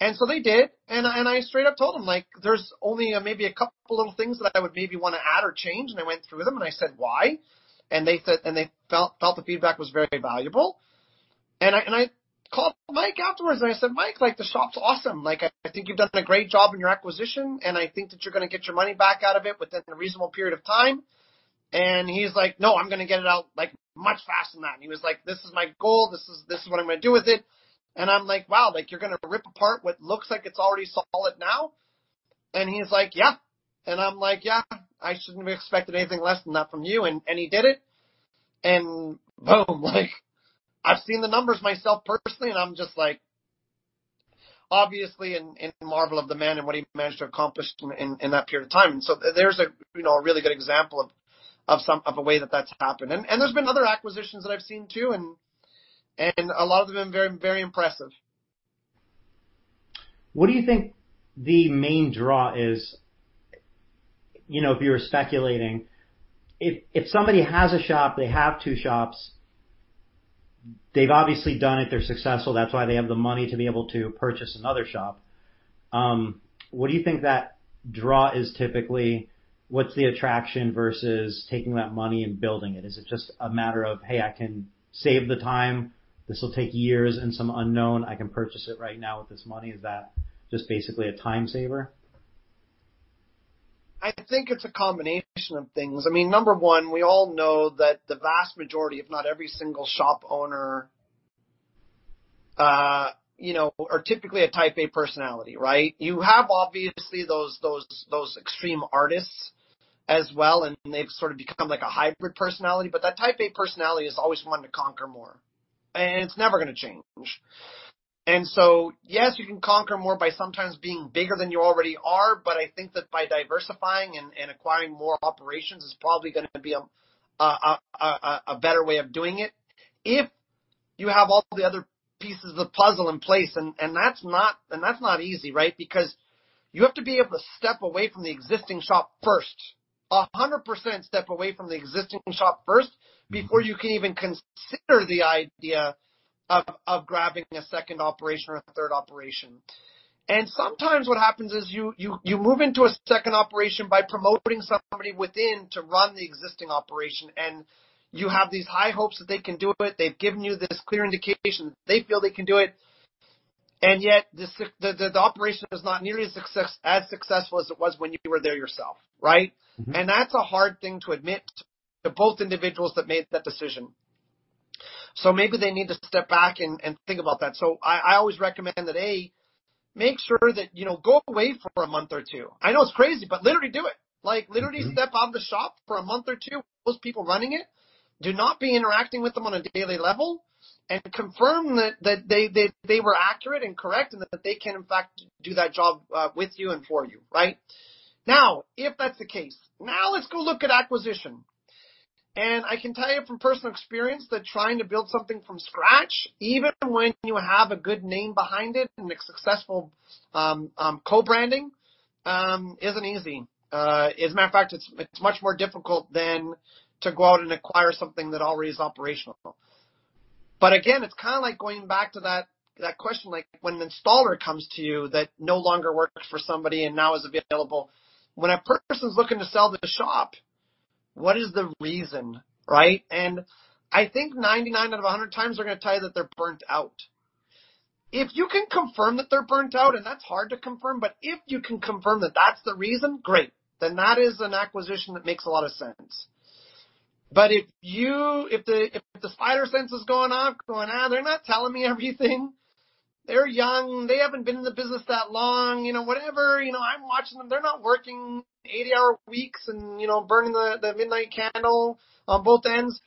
They did. I straight up told them, like, "There's only maybe a couple little things that I would maybe wanna add or change," and I went through them, and I said why. They felt the feedback was very valuable. I called Mike afterwards, and I said, "Mike, like, the shop's awesome. Like, I think you've done a great job in your acquisition, and I think that you're gonna get your money back out of it within a reasonable period of time. He's like, "No, I'm gonna get it out, like, much faster than that." He was like, "This is my goal. This is what I'm gonna do with it." I'm like, "Wow, like, you're gonna rip apart what looks like it's already solid now?" He's like, "Yeah." I'm like, "Yeah, I shouldn't be expecting anything less than that from you." He did it. Boom, like, I've seen the numbers myself personally, and I'm just like, obviously in marvel of the man and what he managed to accomplish in that period of time. There's a, you know, a really good example of a way that that's happened. There's been other acquisitions that I've seen too, and a lot of them very, very impressive. What do you think the main draw is, you know, if you were speculating, if somebody has a shop, they have two shops, they've obviously done it, they're successful, that's why they have the money to be able to purchase another shop, what do you think that draw is typically? What's the attraction versus taking that money and building it? Is it just a matter of, hey, I can save the time, this will take years and some unknown, I can purchase it right now with this money? Is that just basically a time saver? I think it's a combination of things. I mean, number one, we all know that the vast majority, if not every single shop owner, you know, are typically a type A personality, right? You have obviously those extreme artists as well, and they've sort of become like a hybrid personality. That type A personality is always wanting to conquer more, and it's never gonna change. Yes, you can conquer more by sometimes being bigger than you already are, but I think that by diversifying and acquiring more operations is probably gonna be a better way of doing it. If you have all the other pieces of the puzzle in place, and that's not easy, right? Because you have to be able to step away from the existing shop first. 100% step away from the existing shop first before you can even consider the idea of grabbing a second operation or a third operation. Sometimes what happens is you move into a second operation by promoting somebody within to run the existing operation, and you have these high hopes that they can do it. They've given you this clear indication they feel they can do it. Yet the operation is not nearly as successful as it was when you were there yourself, right? Mm-hmm. That's a hard thing to admit to both individuals that made that decision. Maybe they need to step back and think about that. I always recommend that, A, make sure that, you know, go away for a month or two. I know it's crazy, but literally do it. Like, literally step out of the shop for a month or two, those people running it, do not be interacting with them on a daily level, and confirm that they were accurate and correct and that they can in fact do that job with you and for you, right? Now, if that's the case, now let's go look at acquisition. I can tell you from personal experience that trying to build something from scratch, even when you have a good name behind it and a successful co-branding isn't easy. As a matter of fact, it's much more difficult than to go out and acquire something that already is operational. Again, it's kinda like going back to that question, like when an installer comes to you that no longer works for somebody and now is available. When a person's looking to sell their shop, what is the reason, right? I think 99 out of 100 times they're gonna tell you that they're burnt out. If you can confirm that they're burnt out, and that's hard to confirm, but if you can confirm that that's the reason, great, then that is an acquisition that makes a lot of sense. If the spider sense is going off, going, "Ah, they're not telling me everything. They're young. They haven't been in the business that long." You know, whatever, you know. I'm watching them. They're not working 80-hour weeks and, you know, burning the midnight candle on both ends."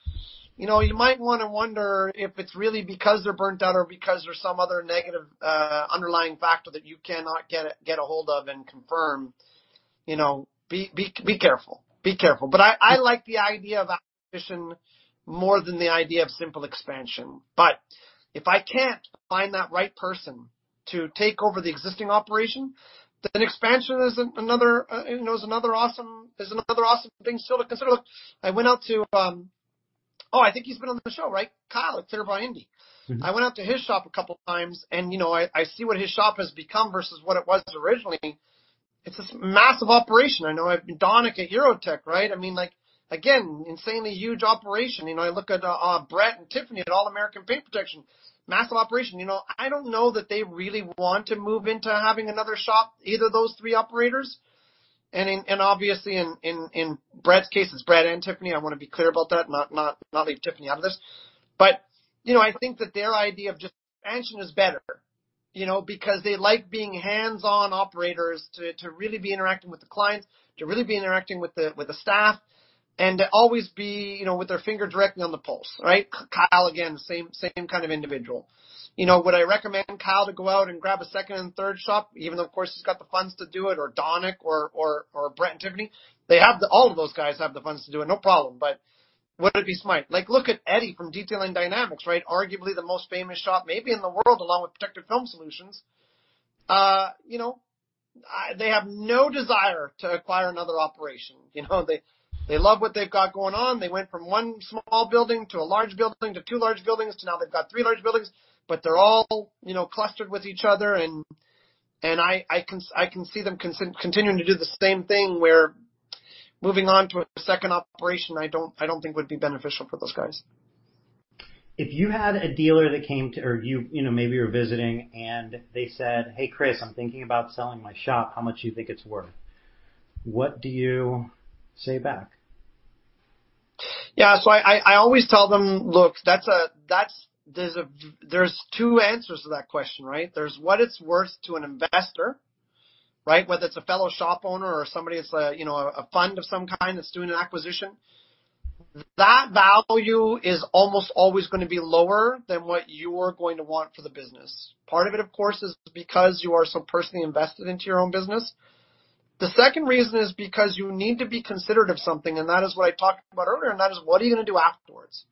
You know, you might wanna wonder if it's really because they're burned out or because there's some other negative underlying factor that you cannot get a hold of and confirm. You know, be careful. I like the idea of acquisition more than the idea of simple expansion. If I can't find that right person to take over the existing operation, then expansion is another awesome thing still to consider. Look, I went out to... Oh, I think he's been on the show, right? Kyle at Clearview Indy. Mm-hmm. I went out to his shop a couple times and, you know, I see what his shop has become versus what it was originally. It's a massive operation. I know Donnie at Hero Tech, right? I mean, like, again, insanely huge operation. You know, I look at Brett and Tiffany at All American Paint Protection, massive operation. You know, I don't know that they really want to move into having another shop, either of those three operators. Obviously in Brett's case, it's Brett and Tiffany. I wanna be clear about that, not leave Tiffany out of this. You know, I think that their idea of just expansion is better, you know, because they like being hands-on operators to really be interacting with the clients, to really be interacting with the staff, and to always be, you know, with their finger directly on the pulse, right? Kyle, again, same kind of individual. You know, would I recommend Kyle to go out and grab a second and third shop, even though of course he's got the funds to do it or Donnie or Brett and Tiffany? All of those guys have the funds to do it, no problem. But would it be smart? Like, look at Eddie from Detailing Dynamics, right? Arguably the most famous shop maybe in the world, along with Protective Film Solutions. You know, they have no desire to acquire another operation. You know, they love what they've got going on. They went from one small building to a large building to two large buildings to now they've got three large buildings. But they're all, you know, clustered with each other and I can see them continuing to do the same thing where moving on to a second operation, I don't think would be beneficial for those guys. If you had a dealer or you know, maybe you're visiting and they said, "Hey, Chris, I'm thinking about selling my shop. How much do you think it's worth?" What do you say back? Yeah. I always tell them, "Look, that's, there's two answers to that question," right? There's what it's worth to an investor, right? Whether it's a fellow shop owner or somebody that's a, you know, a fund of some kind that's doing an acquisition. That value is almost always gonna be lower than what you're going to want for the business. Part of it, of course, is because you are so personally invested into your own business. The second reason is because you need to be considerate of something, and that is what I talked about earlier, and that is, what are you gonna do afterwards?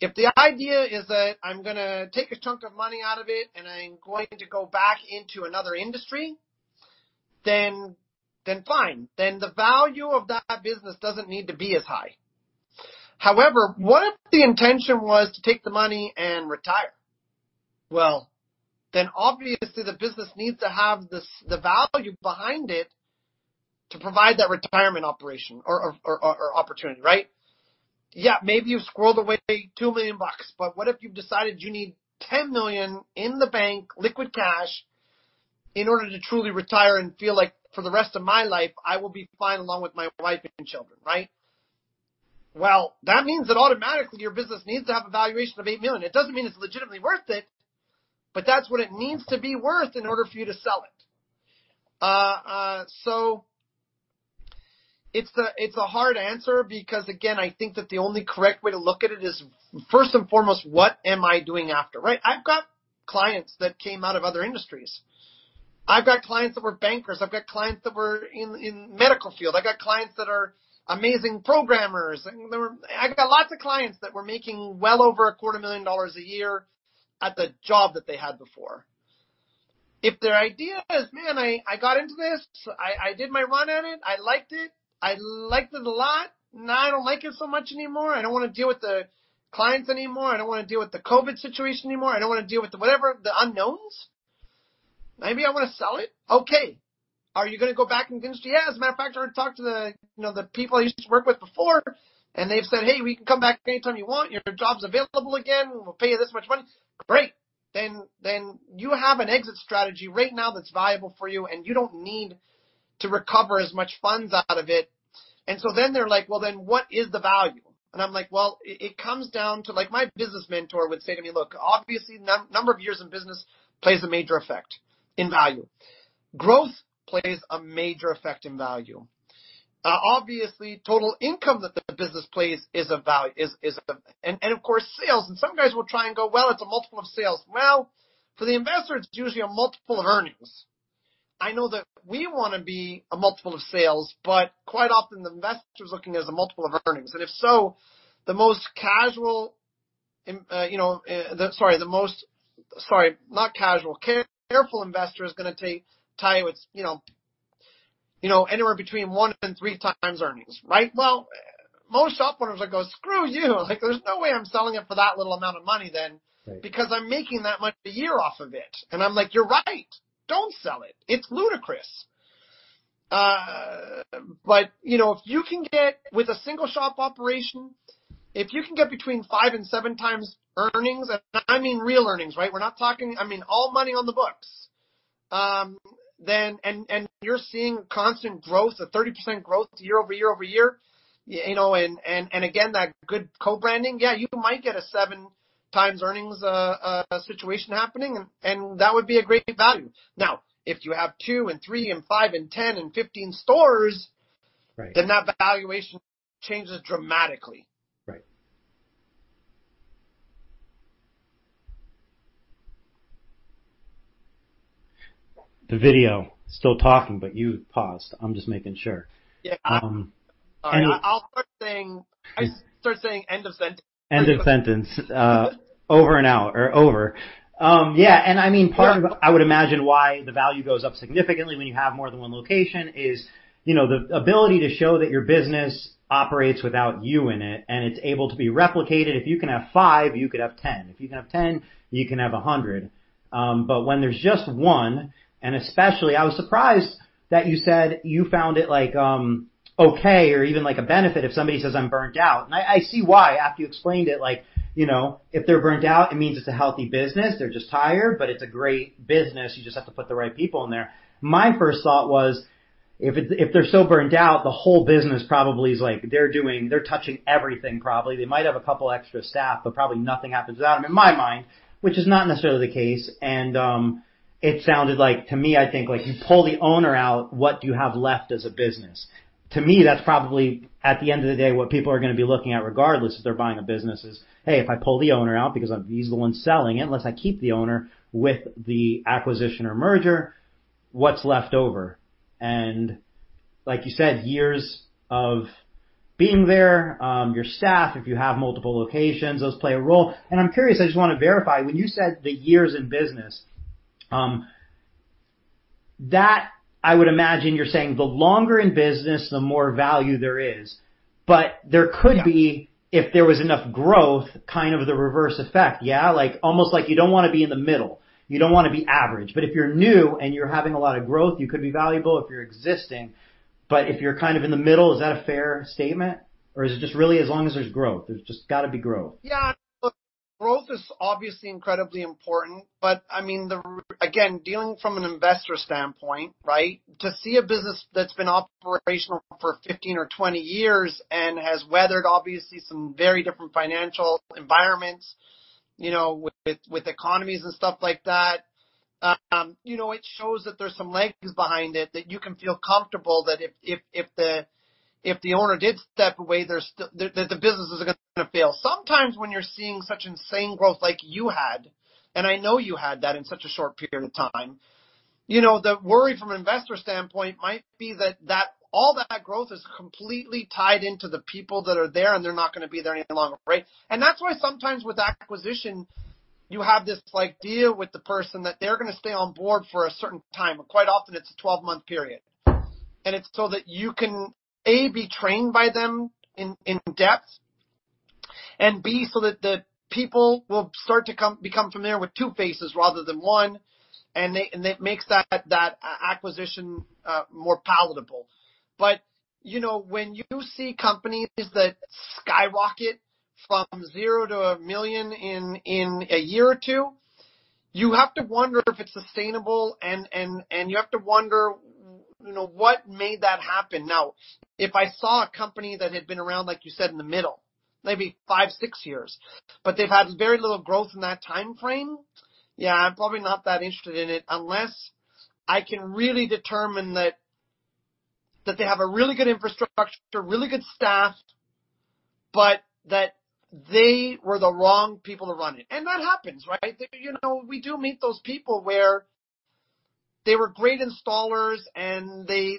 If the idea is that I'm gonna take a chunk of money out of it and I'm going to go back into another industry. Fine. The value of that business doesn't need to be as high. However, what if the intention was to take the money and retire? Well, then obviously the business needs to have this, the value behind it to provide that retirement operation or opportunity, right? Yeah, maybe you've squirreled away $2 million bucks, but what if you've decided you need $10 million in the bank, liquid cash, in order to truly retire and feel like for the rest of my life I will be fine along with my wife and children, right? Well, that means that automatically your business needs to have a valuation of $8 million. It doesn't mean it's legitimately worth it, but that's what it needs to be worth in order for you to sell it. It's a hard answer because again, I think that the only correct way to look at it is first and foremost, what am I doing after, right? I've got clients that came out of other industries. I've got clients that were bankers. I've got clients that were in medical field. I got clients that are amazing programmers, and there were. I've got lots of clients that were making well over $250,000 a year at the job that they had before. If their idea is, "Man, I got into this, I did my run at it. I liked it. I liked it a lot. Now I don't like it so much anymore. I don't wanna deal with the clients anymore. I don't wanna deal with the COVID situation anymore. I don't wanna deal with the whatever, the unknowns. Maybe I wanna sell it." Okay. Are you gonna go back in the industry? "Yeah, as a matter of fact, I already talked to the, you know, the people I used to work with before, and they've said, 'Hey, you can come back anytime you want. Your job's available again. We'll pay you this much money.'" Great. You have an exit strategy right now that's viable for you, and you don't need to recover as much funds out of it. They're like, "Well, then what is the value?" I'm like, "Well, it comes down to like my business mentor would say to me, 'Look, obviously number of years in business plays a major effect in value. Growth plays a major effect in value.' Obviously, total income that the business plays is a. And of course, sales. Some guys will try and go, "Well, it's a multiple of sales." Well, for the investor, it's usually a multiple of earnings. I know that we wanna be a multiple of sales, but quite often the investor's looking at a multiple of earnings. If so, the most careful investor is gonna value you at, you know, anywhere between one and three times earnings, right? Well, most shop owners will go, "Screw you. Like, there's no way I'm selling it for that little amount of money then- Right. Because I'm making that much a year off of it. I'm like, "You're right. Don't sell it. It's ludicrous." But, you know, if you can get with a single shop operation, if you can get between 5x and 7x earnings, and I mean real earnings, right? We're not talking I mean, all money on the books. Then, and you're seeing constant growth, a 30% growth year-over-year, you know, and again, that good co-branding, yeah, you might get a 7x earnings situation happening, and that would be a great value. Now, if you have two and three and five and 10 and 15 stores Right. that valuation changes dramatically. Right. The video is still talking, but you've paused. I'm just making sure. Yeah. Um, any- All right. I'll start saying end of sentence. End of sentence. Over and out. Yeah, I mean, part of- Yeah. I would imagine why the value goes up significantly when you have more than one location is, you know, the ability to show that your business operates without you in it, and it's able to be replicated. If you can have five, you could have 10. If you can have 10, you can have 100. But when there's just one, and especially I was surprised that you said you found it like, okay, or even like a benefit if somebody says, "I'm burnt out." I see why after you explained it, like, you know, if they're burnt out, it means it's a healthy business. They're just tired, but it's a great business. You just have to put the right people in there. My first thought was, if they're so burnt out, the whole business probably is like they're doing, they're touching everything probably. They might have a couple extra staff, but probably nothing happens without them, in my mind, which is not necessarily the case. It sounded like, to me, I think like you pull the owner out, what do you have left as a business? To me, that's probably, at the end of the day, what people are gonna be looking at regardless if they're buying a business is, "Hey, if I pull the owner out because I'm, he's the one selling it, unless I keep the owner with the acquisition or merger, what's left over?" Like you said, years of being there, your staff, if you have multiple locations, those play a role. I'm curious, I just wanna verify, when you said the years in business, that I would imagine you're saying the longer in business, the more value there is. But there could be- Yeah. If there was enough growth, kind of the reverse effect, yeah. Like, almost like you don't wanna be in the middle. You don't wanna be average. But if you're new and you're having a lot of growth, you could be valuable if you're existing. But if you're kind of in the middle, is that a fair statement? Or is it just really as long as there's growth? There's just gotta be growth. Yeah. Look, growth is obviously incredibly important, but I mean, Again, dealing from an investor standpoint, right? To see a business that's been operational for 15 or 20 years and has weathered obviously some very different financial environments, you know, with economies and stuff like that, you know, it shows that there's some legs behind it that you can feel comfortable that if the owner did step away, there's still that the business isn't gonna fail. Sometimes when you're seeing such insane growth like you had, and I know you had that in such a short period of time, you know, the worry from an investor standpoint might be that all that growth is completely tied into the people that are there, and they're not gonna be there any longer, right? That's why sometimes with acquisition you have this like deal with the person that they're gonna stay on board for a certain time, and quite often it's a 12-month period. It's so that you can, A, be trained by them in depth, and B, so that the people will start to become familiar with two faces rather than one, and it makes that acquisition more palatable. You know, when you see companies that skyrocket from 0 to $1 million in a year or two, you have to wonder if it's sustainable and you have to wonder what made that happen. Now, if I saw a company that had been around, like you said, in the middle, maybe five, six years, but they've had very little growth in that timeframe, yeah, I'm probably not that interested in it unless I can really determine that they have a really good infrastructure, really good staff, but that they were the wrong people to run it. That happens, right? You know, we do meet those people where they were great installers, and they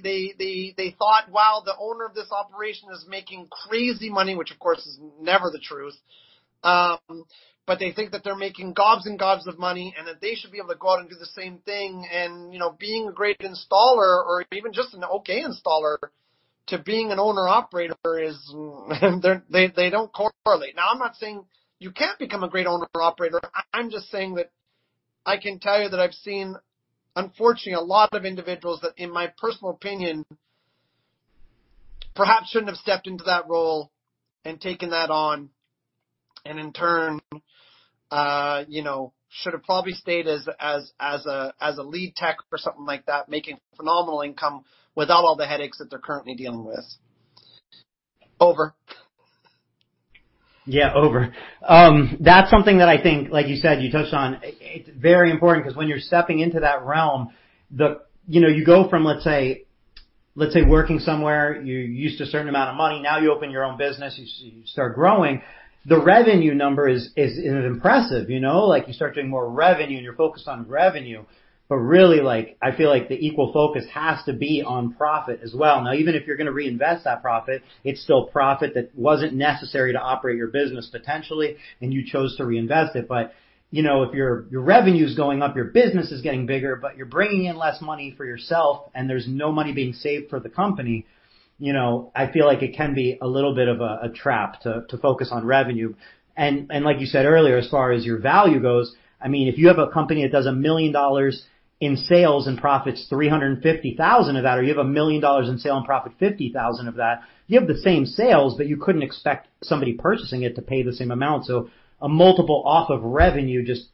thought, wow, the owner of this operation is making crazy money, which of course is never the truth. But they think that they're making gobs and gobs of money and that they should be able to go out and do the same thing. You know, being a great installer or even just an okay installer to being an owner-operator is... They don't correlate. Now, I'm not saying you can't become a great owner or operator. I'm just saying that I can tell you that I've seen, unfortunately, a lot of individuals that, in my personal opinion, perhaps shouldn't have stepped into that role and taken that on, and in turn, you know, should have probably stayed as a lead tech or something like that, making phenomenal income without all the headaches that they're currently dealing with. Over. Yeah, that's something that I think, like you said, you touched on. It's very important 'cause when you're stepping into that realm. You know, you go from, let's say, working somewhere, you're used to a certain amount of money. Now you open your own business, you start growing. The revenue number is impressive, you know. Like, you start doing more revenue, and you're focused on revenue. But really, like, I feel like the equal focus has to be on profit as well. Now, even if you're gonna reinvest that profit, it's still profit that wasn't necessary to operate your business potentially, and you chose to reinvest it. You know, if your revenue's going up, your business is getting bigger, but you're bringing in less money for yourself, and there's no money being saved for the company. You know, I feel like it can be a little bit of a trap to focus on revenue. Like you said earlier, as far as your value goes, I mean, if you have a company that does $1 million in sales and profits $350,000 of that, or you have $1 million in sales and profits $50,000 of that. You have the same sales, but you couldn't expect somebody purchasing it to pay the same amount. A multiple off of revenue just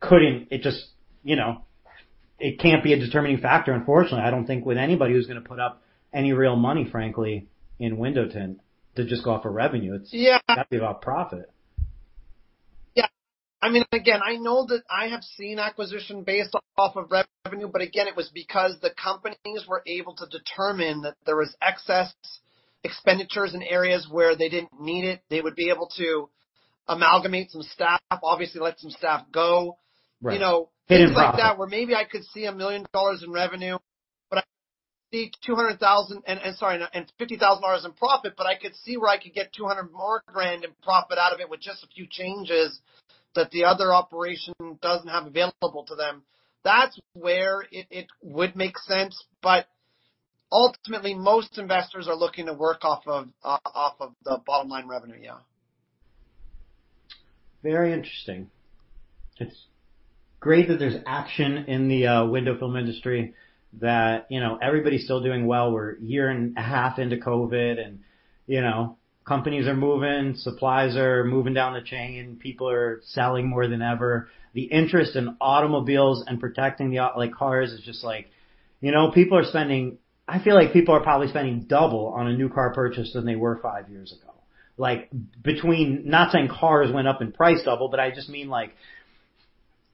couldn't be a determining factor, unfortunately. I don't think with anybody who's gonna put up any real money, frankly, in window tint to just go off of revenue. Yeah. It's got to be about profit. Yeah. I mean, again, I know that I have seen acquisition based off of revenue, but again, it was because the companies were able to determine that there was excess expenditures in areas where they didn't need it. They would be able to amalgamate some staff, obviously let some staff go. Right. You know. Hidden profit. things like that, where maybe I could see $1 million in revenue, but I see $200,000... and sorry and $50,000 in profit, but I could see where I could get $200,000 more in profit out of it with just a few changes that the other operation doesn't have available to them. That's where it would make sense, but ultimately, most investors are looking to work off of off of the bottom line revenue, yeah. Very interesting. It's great that there's action in the window film industry that, you know, everybody's still doing well. We're a year and a half into COVID and, you know, companies are moving, supplies are moving down the chain. People are selling more than ever. The interest in automobiles and protecting like cars is just like. You know, people are spending. I feel like people are probably spending double on a new car purchase than they were five years ago. Like, between. Not saying cars went up in price double, but I just mean, like,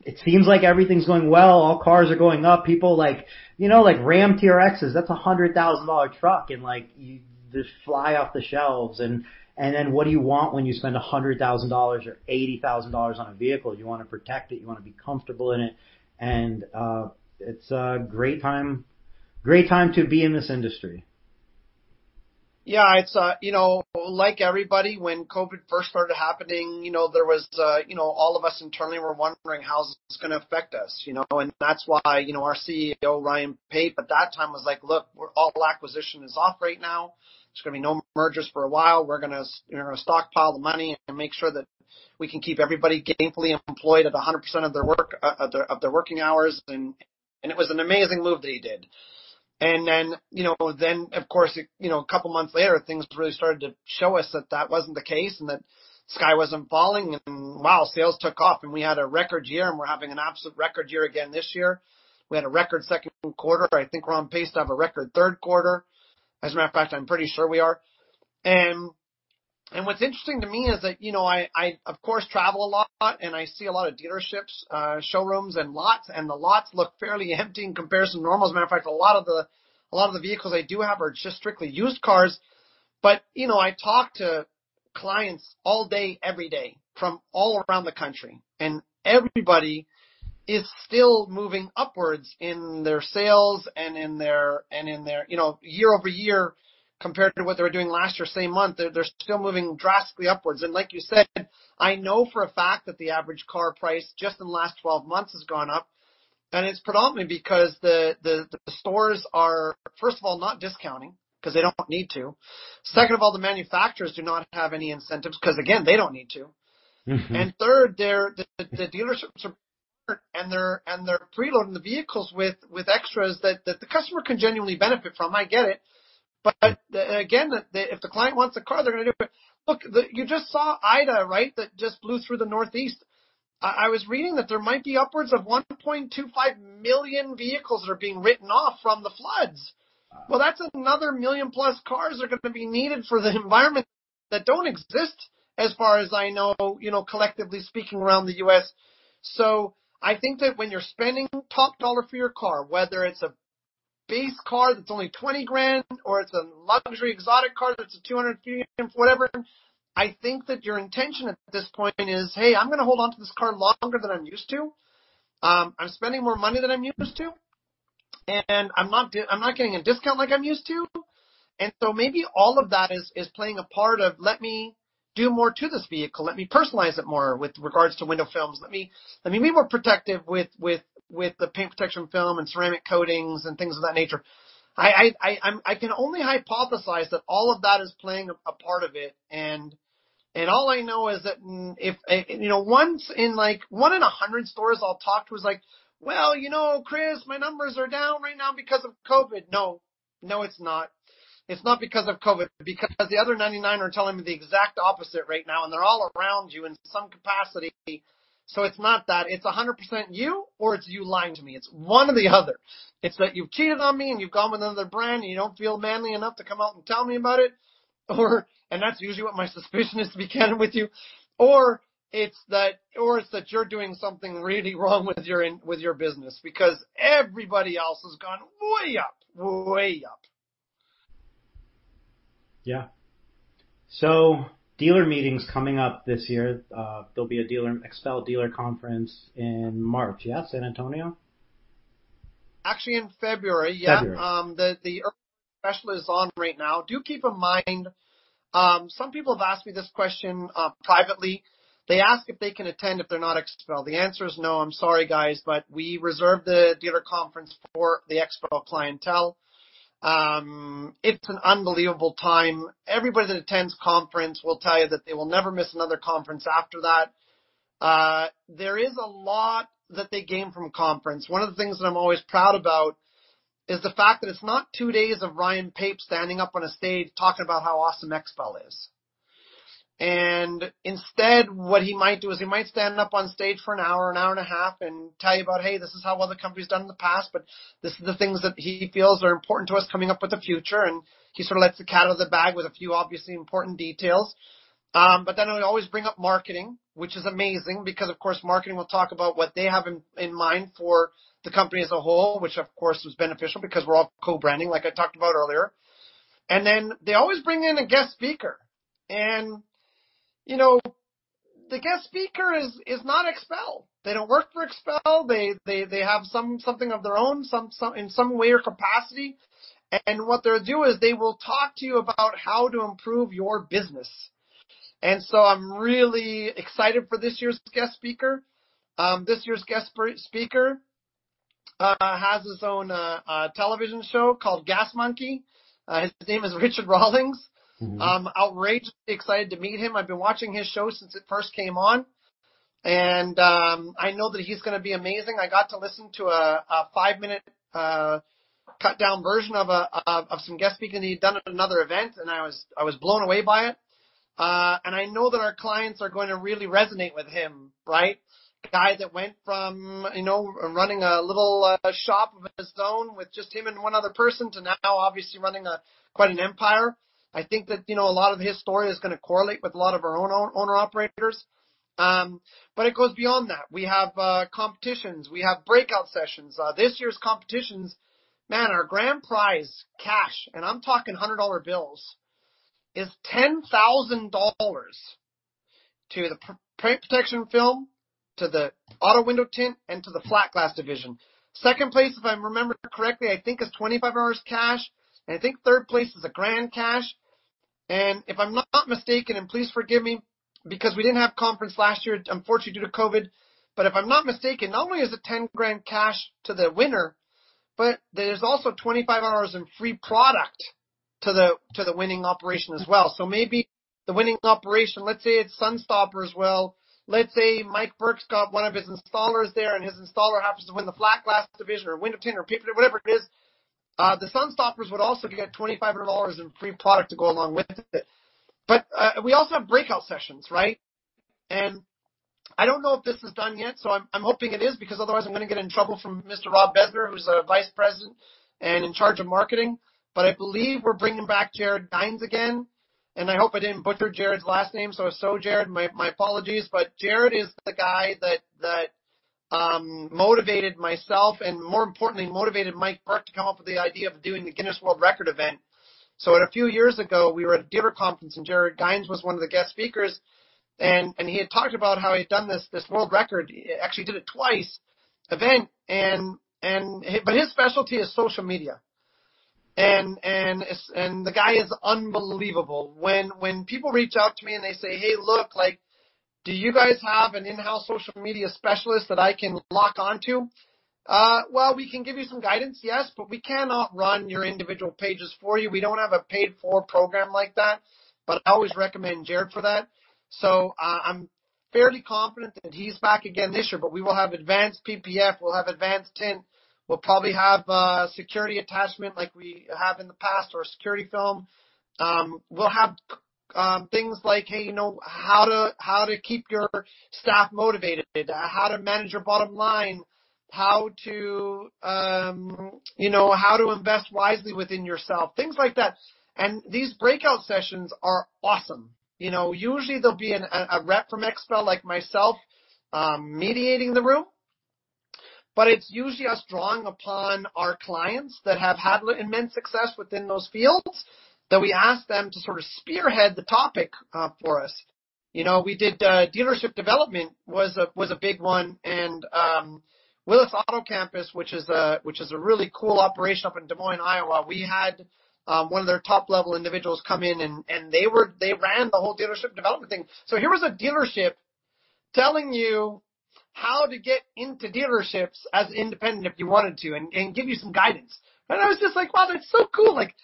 it seems like everything's going well. All cars are going up. People like. You know, like Ram TRXs, that's a $100,000 truck, and like, you just fly off the shelves and then what do you want when you spend $100,000 or $80,000 on a vehicle? You wanna protect it, you wanna be comfortable in it, and it's a great time, great time to be in this industry. Yeah, it's, you know, like everybody, when COVID first started happening, you know, there was, you know, all of us internally were wondering how this is gonna affect us, you know. That's why, you know, our CEO, Ryan Pape, at that time was like, "Look, all acquisition is off right now. There's gonna be no mergers for a while. We're gonna, you know, stockpile the money and make sure that we can keep everybody gainfully employed at 100% of their working hours." It was an amazing move that he did. You know, then, of course, you know, a couple of months later, things really started to show us that that wasn't the case and that sky wasn't falling, and wow, sales took off, and we had a record year, and we're having an absolute record year again this year. We had a record second quarter. I think we're on pace to have a record third quarter. As a matter of fact, I'm pretty sure we are. What's interesting to me is that, you know, I of course travel a lot, and I see a lot of dealerships, showrooms and lots, and the lots look fairly empty in comparison to normal. As a matter of fact, a lot of the vehicles they do have are just strictly used cars. You know, I talk to clients all day, every day from all around the country, and everybody is still moving upwards in their sales and in their, you know, year-over-year compared to what they were doing last year, same month. They're still moving drastically upwards. Like you said, I know for a fact that the average car price just in the last 12 months has gone up. It's predominantly because the stores are, first of all, not discounting because they don't need to. Second of all, the manufacturers do not have any incentives because, again, they don't need to. Mm-hmm. Third, the dealerships are, and they're preloading the vehicles with extras that the customer can genuinely benefit from. I get it. Again, if the client wants the car, they're gonna do it. Look, you just saw Ida, right? That just blew through the Northeast. I was reading that there might be upwards of 1.25 million vehicles that are being written off from the floods. Well, that's another million-plus cars are gonna be needed for the environment that don't exist as far as I know, you know, collectively speaking around the U.S. I think that when you're spending top dollar for your car, whether it's a base car that's only $20,000 or it's a luxury exotic car that's $200,000, whatever, I think that your intention at this point is, "Hey, I'm gonna hold on to this car longer than I'm used to. I'm spending more money than I'm used to, and I'm not getting a discount like I'm used to." Maybe all of that is playing a part of let me do more to this vehicle, let me personalize it more with regards to window films, let me be more protective with the paint protection film and ceramic coatings and things of that nature. I can only hypothesize that all of that is playing a part of it. All I know is that if, you know, once in like one in 100 stores I'll talk to is like, "Well, you know, Chris, my numbers are down right now because of COVID." No. No, it's not. It's not because of COVID, because the other 99 are telling me the exact opposite right now, and they're all around you in some capacity. It's not that. It's 100% you or it's you lying to me. It's one or the other. It's that you've cheated on me and you've gone with another brand and you don't feel manly enough to come out and tell me about it, or, and that's usually what my suspicion is to begin with you. Or it's that, or it's that you're doing something really wrong with your business because everybody else has gone way up. Way up. Dealer meetings coming up this year. There'll be a XPEL dealer conference in March. Yeah? San Antonio? Actually in February. Yeah. February. The early special is on right now. Do keep in mind, some people have asked me this question, privately. They ask if they can attend if they're not XPEL. The answer is no. I'm sorry, guys, but we reserve the dealer conference for the XPEL clientele. It's an unbelievable time. Everybody that attends conference will tell you that they will never miss another conference after that. There is a lot that they gain from conference. One of the things that I'm always proud about is the fact that it's not two days of Ryan Pape standing up on a stage talking about how awesome XPEL is. Instead, what he might do is he might stand up on stage for an hour, an hour and a half, and tell you about, hey, this is how well the company's done in the past, but this is the things that he feels are important to us coming up with the future. He sort of lets the cat out of the bag with a few obviously important details. Then we always bring up marketing, which is amazing because, of course, marketing will talk about what they have in mind for the company as a whole, which of course is beneficial because we're all co-branding, like I talked about earlier. They always bring in a guest speaker. You know, the guest speaker is not XPEL. They don't work for XPEL. They have something of their own in some way or capacity. What they'll do is they will talk to you about how to improve your business. I'm really excited for this year's guest speaker. This year's guest speaker has his own television show called Gas Monkey. His name is Richard Rawlings. Mm-hmm. I'm outrageously excited to meet him. I've been watching his show since it first came on, and I know that he's gonna be amazing. I got to listen to a five-minute cut-down version of some guest speaking he'd done at another event, and I was blown away by it. I know that our clients are going to really resonate with him, right? A guy that went from, you know, running a little shop of his own with just him and one other person to now obviously running quite an empire. I think that, you know, a lot of his story is gonna correlate with a lot of our own owner-operators. It goes beyond that. We have competitions. We have breakout sessions. This year's competitions, man, our grand prize cash, and I'm talking hundred dollar bills, is $10,000 to the paint protection film, to the auto window tint, and to the flat glass division. Second place, if I remember correctly, I think is $2,500 cash, and I think third place is $1,000 cash. If I'm not mistaken, and please forgive me, because we didn't have conference last year, unfortunately due to COVID, but if I'm not mistaken, not only is it $10,000 cash to the winner, but there's also $2,500 in free product to the winning operation as well. Maybe the winning operation, let's say it's Sun Stoppers as well. Let's say Mike Burke's got one of his installers there, and his installer happens to win the flat glass division or window tint or paint, whatever it is, the Sun Stoppers would also get $2,500 in free product to go along with it. We also have breakout sessions, right? I don't know if this is done yet, so I'm hoping it is because otherwise I'm gonna get in trouble from Mr. Robert Bezner, who's our Vice President and in charge of marketing. I believe we're bringing back Jared Guynes again, and I hope I didn't butcher Jared's last name, so Jared, my apologies. Jared is the guy that motivated myself and more importantly, motivated Mike Burke to come up with the idea of doing the Guinness World Records event. A few years ago, we were at a dealer conference and Jared Guynes was one of the guest speakers. He had talked about how he'd done this world record. He actually did it twice, event but his specialty is social media. The guy is unbelievable. When people reach out to me and they say, "Hey, look, like, do you guys have an in-house social media specialist that I can lock onto?" Well, we can give you some guidance, yes, but we cannot run your individual pages for you. We don't have a paid for program like that, but I always recommend Jared for that. I'm fairly confident that he's back again this year, but we will have advanced PPF. We'll have advanced tint. We'll probably have security attachment like we have in the past or a security film. We'll have things like, hey, you know how to keep your staff motivated, how to manage your bottom line. How to, you know, how to invest wisely within yourself, things like that. These breakout sessions are awesome. You know, usually there'll be a rep from XPEL like myself, moderating the room, but it's usually us drawing upon our clients that have had immense success within those fields, that we ask them to sort of spearhead the topic for us. You know, we did, dealership development was a big one and, Willis Auto Campus, which is a really cool operation up in Des Moines, Iowa, we had one of their top level individuals come in and they ran the whole dealership development thing. Here was a dealership telling you how to get into dealerships as independent if you wanted to, and give you some guidance. I was just like, "Wow, that's so cool." Like,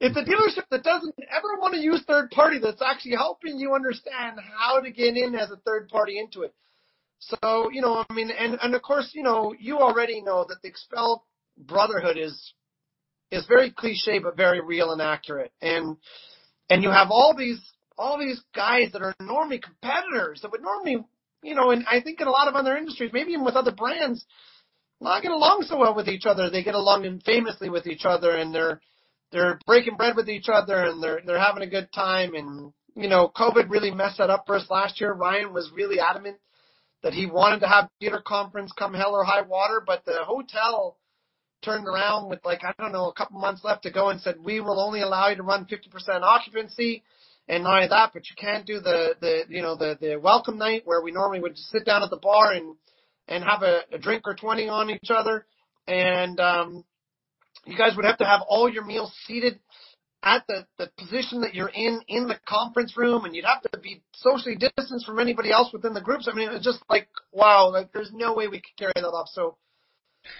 it's a dealership that doesn't ever wanna use third party that's actually helping you understand how to get in as a third party into it. You know what I mean? Of course, you already know that the XPEL brotherhood is very cliché but very real and accurate. You have all these guys that are normally competitors that would normally, you know, and I think in a lot of other industries, maybe even with other brands, not get along so well with each other. They get along famously with each other, and they're breaking bread with each other, and they're having a good time. You know, COVID really messed that up for us last year. Ryan was really adamant that he wanted to have dealer conference come hell or high water, but the hotel turned around with like, I don't know, a couple months left to go and said, "We will only allow you to run 50% occupancy." Not only that, but you can't do the you know, the welcome night where we normally would sit down at the bar and have a drink or 20 on each other. You guys would have to have all your meals seated at the position that you're in in the conference room, and you'd have to be socially distanced from anybody else within the groups. I mean, it was just like, wow. Like, there's no way we could carry that off.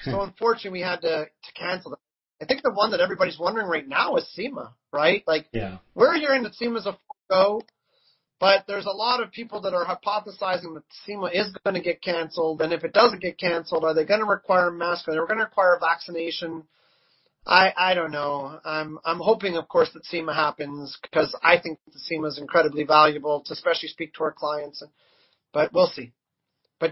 Unfortunately, we had to cancel that. I think the one that everybody's wondering right now is SEMA, right? Like Yeah. We're hearing that SEMA is a go, but there's a lot of people that are hypothesizing that SEMA is gonna get canceled, and if it doesn't get canceled, are they gonna require a mask? Are they gonna require vaccination? I don't know. I'm hoping of course that SEMA happens 'cause I think that SEMA is incredibly valuable to especially speak to our clients. We'll see.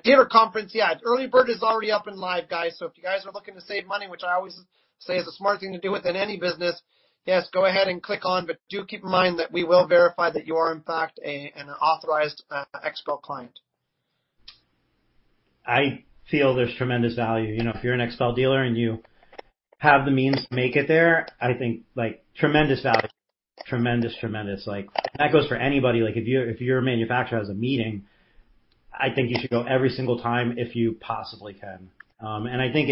Dealer conference, yeah. Early bird is already up and live, guys, so if you guys are looking to save money, which I always say is a smart thing to do within any business, yes, go ahead and click on. Do keep in mind that we will verify that you are in fact an authorized XPEL client. I feel there's tremendous value. You know, if you're an XPEL dealer and you have the means to make it there, I think like tremendous value. Tremendous. Like, that goes for anybody. Like, if you're a manufacturer who has a meeting, I think you should go every single time if you possibly can. And I think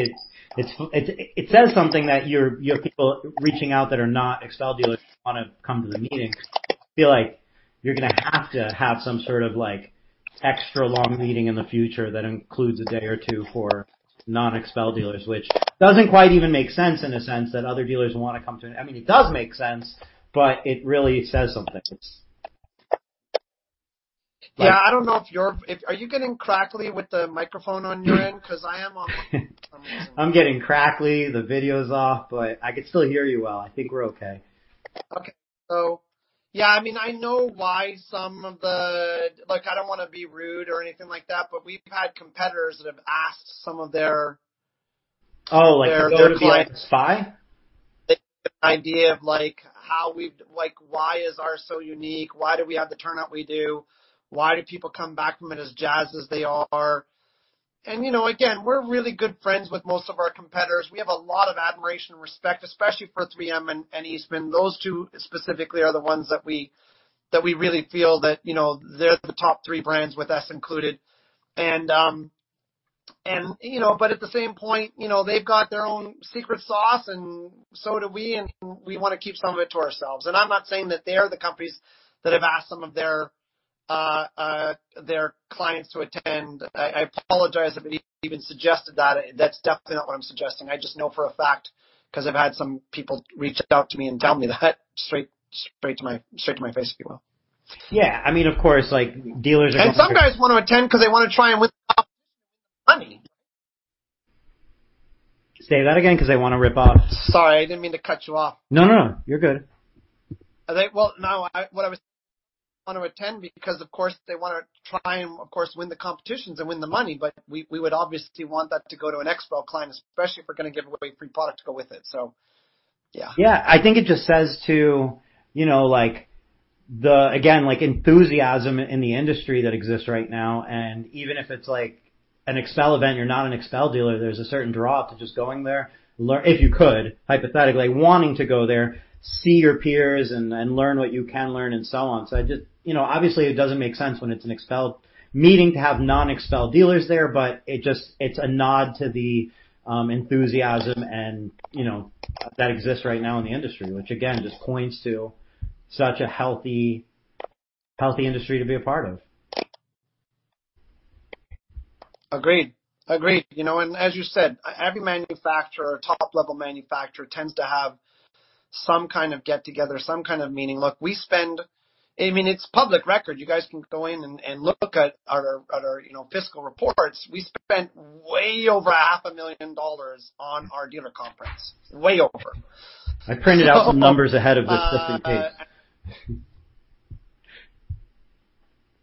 it says something that you have people reaching out that are not XPEL dealers who wanna come to the meeting. I feel like you're gonna have to have some sort of like extra long meeting in the future that includes a day or two for non-XPEL dealers, which doesn't quite even make sense in a sense that other dealers wanna come to it. I mean, it does make sense, but it really says something. Yeah. I don't know. Are you getting crackly with the microphone on your end? 'Cause I am on mine for some reason. I'm getting crackly. The video's off, but I can still hear you well. I think we're okay. Okay. Yeah, I mean, I know why some of the. Like, I don't wanna be rude or anything like that, but we've had competitors that have asked some of their. Oh, like to go to like spy? To get an idea of like why is ours so unique? Why do we have the turnout we do? Why do people come back from it as jazzed as they are? You know, again, we're really good friends with most of our competitors. We have a lot of admiration and respect, especially for 3M and Eastman. Those two specifically are the ones that we really feel that, you know, they're the top three brands with us included. You know, but at the same point, you know, they've got their own secret sauce and so do we, and we wanna keep some of it to ourselves. I'm not saying that they are the companies that have asked some of their clients to attend. I apologize if I even suggested that. That's definitely not what I'm suggesting. I just know for a fact 'cause I've had some people reach out to me and tell me that straight to my face, if you will. Yeah. I mean, of course like dealers are. Some guys wanna attend 'cause they wanna try and win the competition and win the money. Say that again, 'cause I wanna rip off. Sorry, I didn't mean to cut you off. No, no. You're good. They wanna attend because of course they wanna try and of course win the competitions and win the money. We would obviously want that to go to an XPEL client, especially if we're gonna give away free product to go with it. Yeah. Yeah. I think it just says to, you know, like the, again, like enthusiasm in the industry that exists right now, and even if it's like an XPEL event, you're not an XPEL dealer, there's a certain draw to just going there, if you could, hypothetically wanting to go there, see your peers and learn what you can learn and so on. I just, you know, obviously it doesn't make sense when it's an XPEL meeting to have non-XPEL dealers there, but it just, it's a nod to the enthusiasm and, you know, that exists right now in the industry, which again, just points to such a healthy industry to be a part of. Agreed. You know, as you said, every manufacturer or top-level manufacturer tends to have some kind of get-together, some kind of meeting. Look, I mean, it's public record. You guys can go in and look at our, you know, fiscal reports. We spent way over half a million dollars on our dealer conference. Way over. I printed out some numbers ahead of this just in case.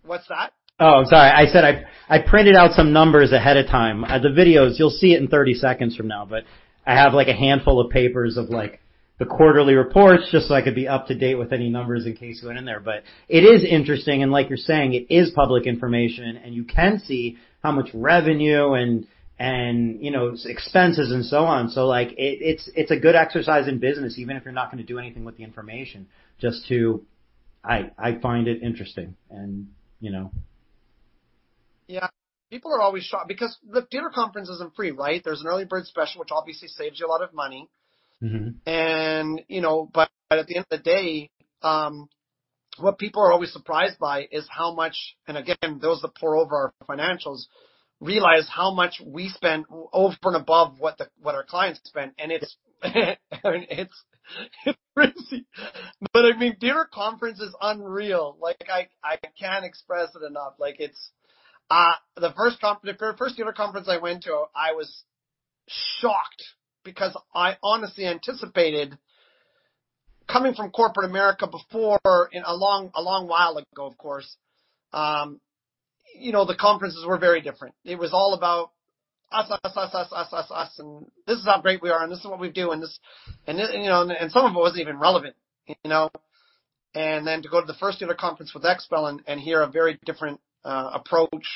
What's that? Oh, I'm sorry. I said I printed out some numbers ahead of time. The videos, you'll see it in 30 seconds from now, but I have like a handful of papers of like the quarterly reports, just so I could be up to date with any numbers in case you went in there. It is interesting, and like you're saying, it is public information, and you can see how much revenue and you know, expenses and so on. Like it's a good exercise in business, even if you're not gonna do anything with the information. I find it interesting and you know. Yeah. People are always shocked because the dealer conference isn't free, right? There's an early bird special which obviously saves you a lot of money. Mm-hmm. You know, but at the end of the day, what people are always surprised by is how much, and again, those that pore over our financials realize how much we spend over and above what our clients spend. It's crazy. I mean, dealer conference is unreal. Like, I can't express it enough. Like, it's the first dealer conference I went to. I was shocked because I honestly anticipated coming from corporate America before and a long while ago, of course, you know, the conferences were very different. It was all about us, us, us, us, and this is how great we are, and this is what we do. You know, and some of it wasn't even relevant, you know. To go to the first dealer conference with XPEL and hear a very different approach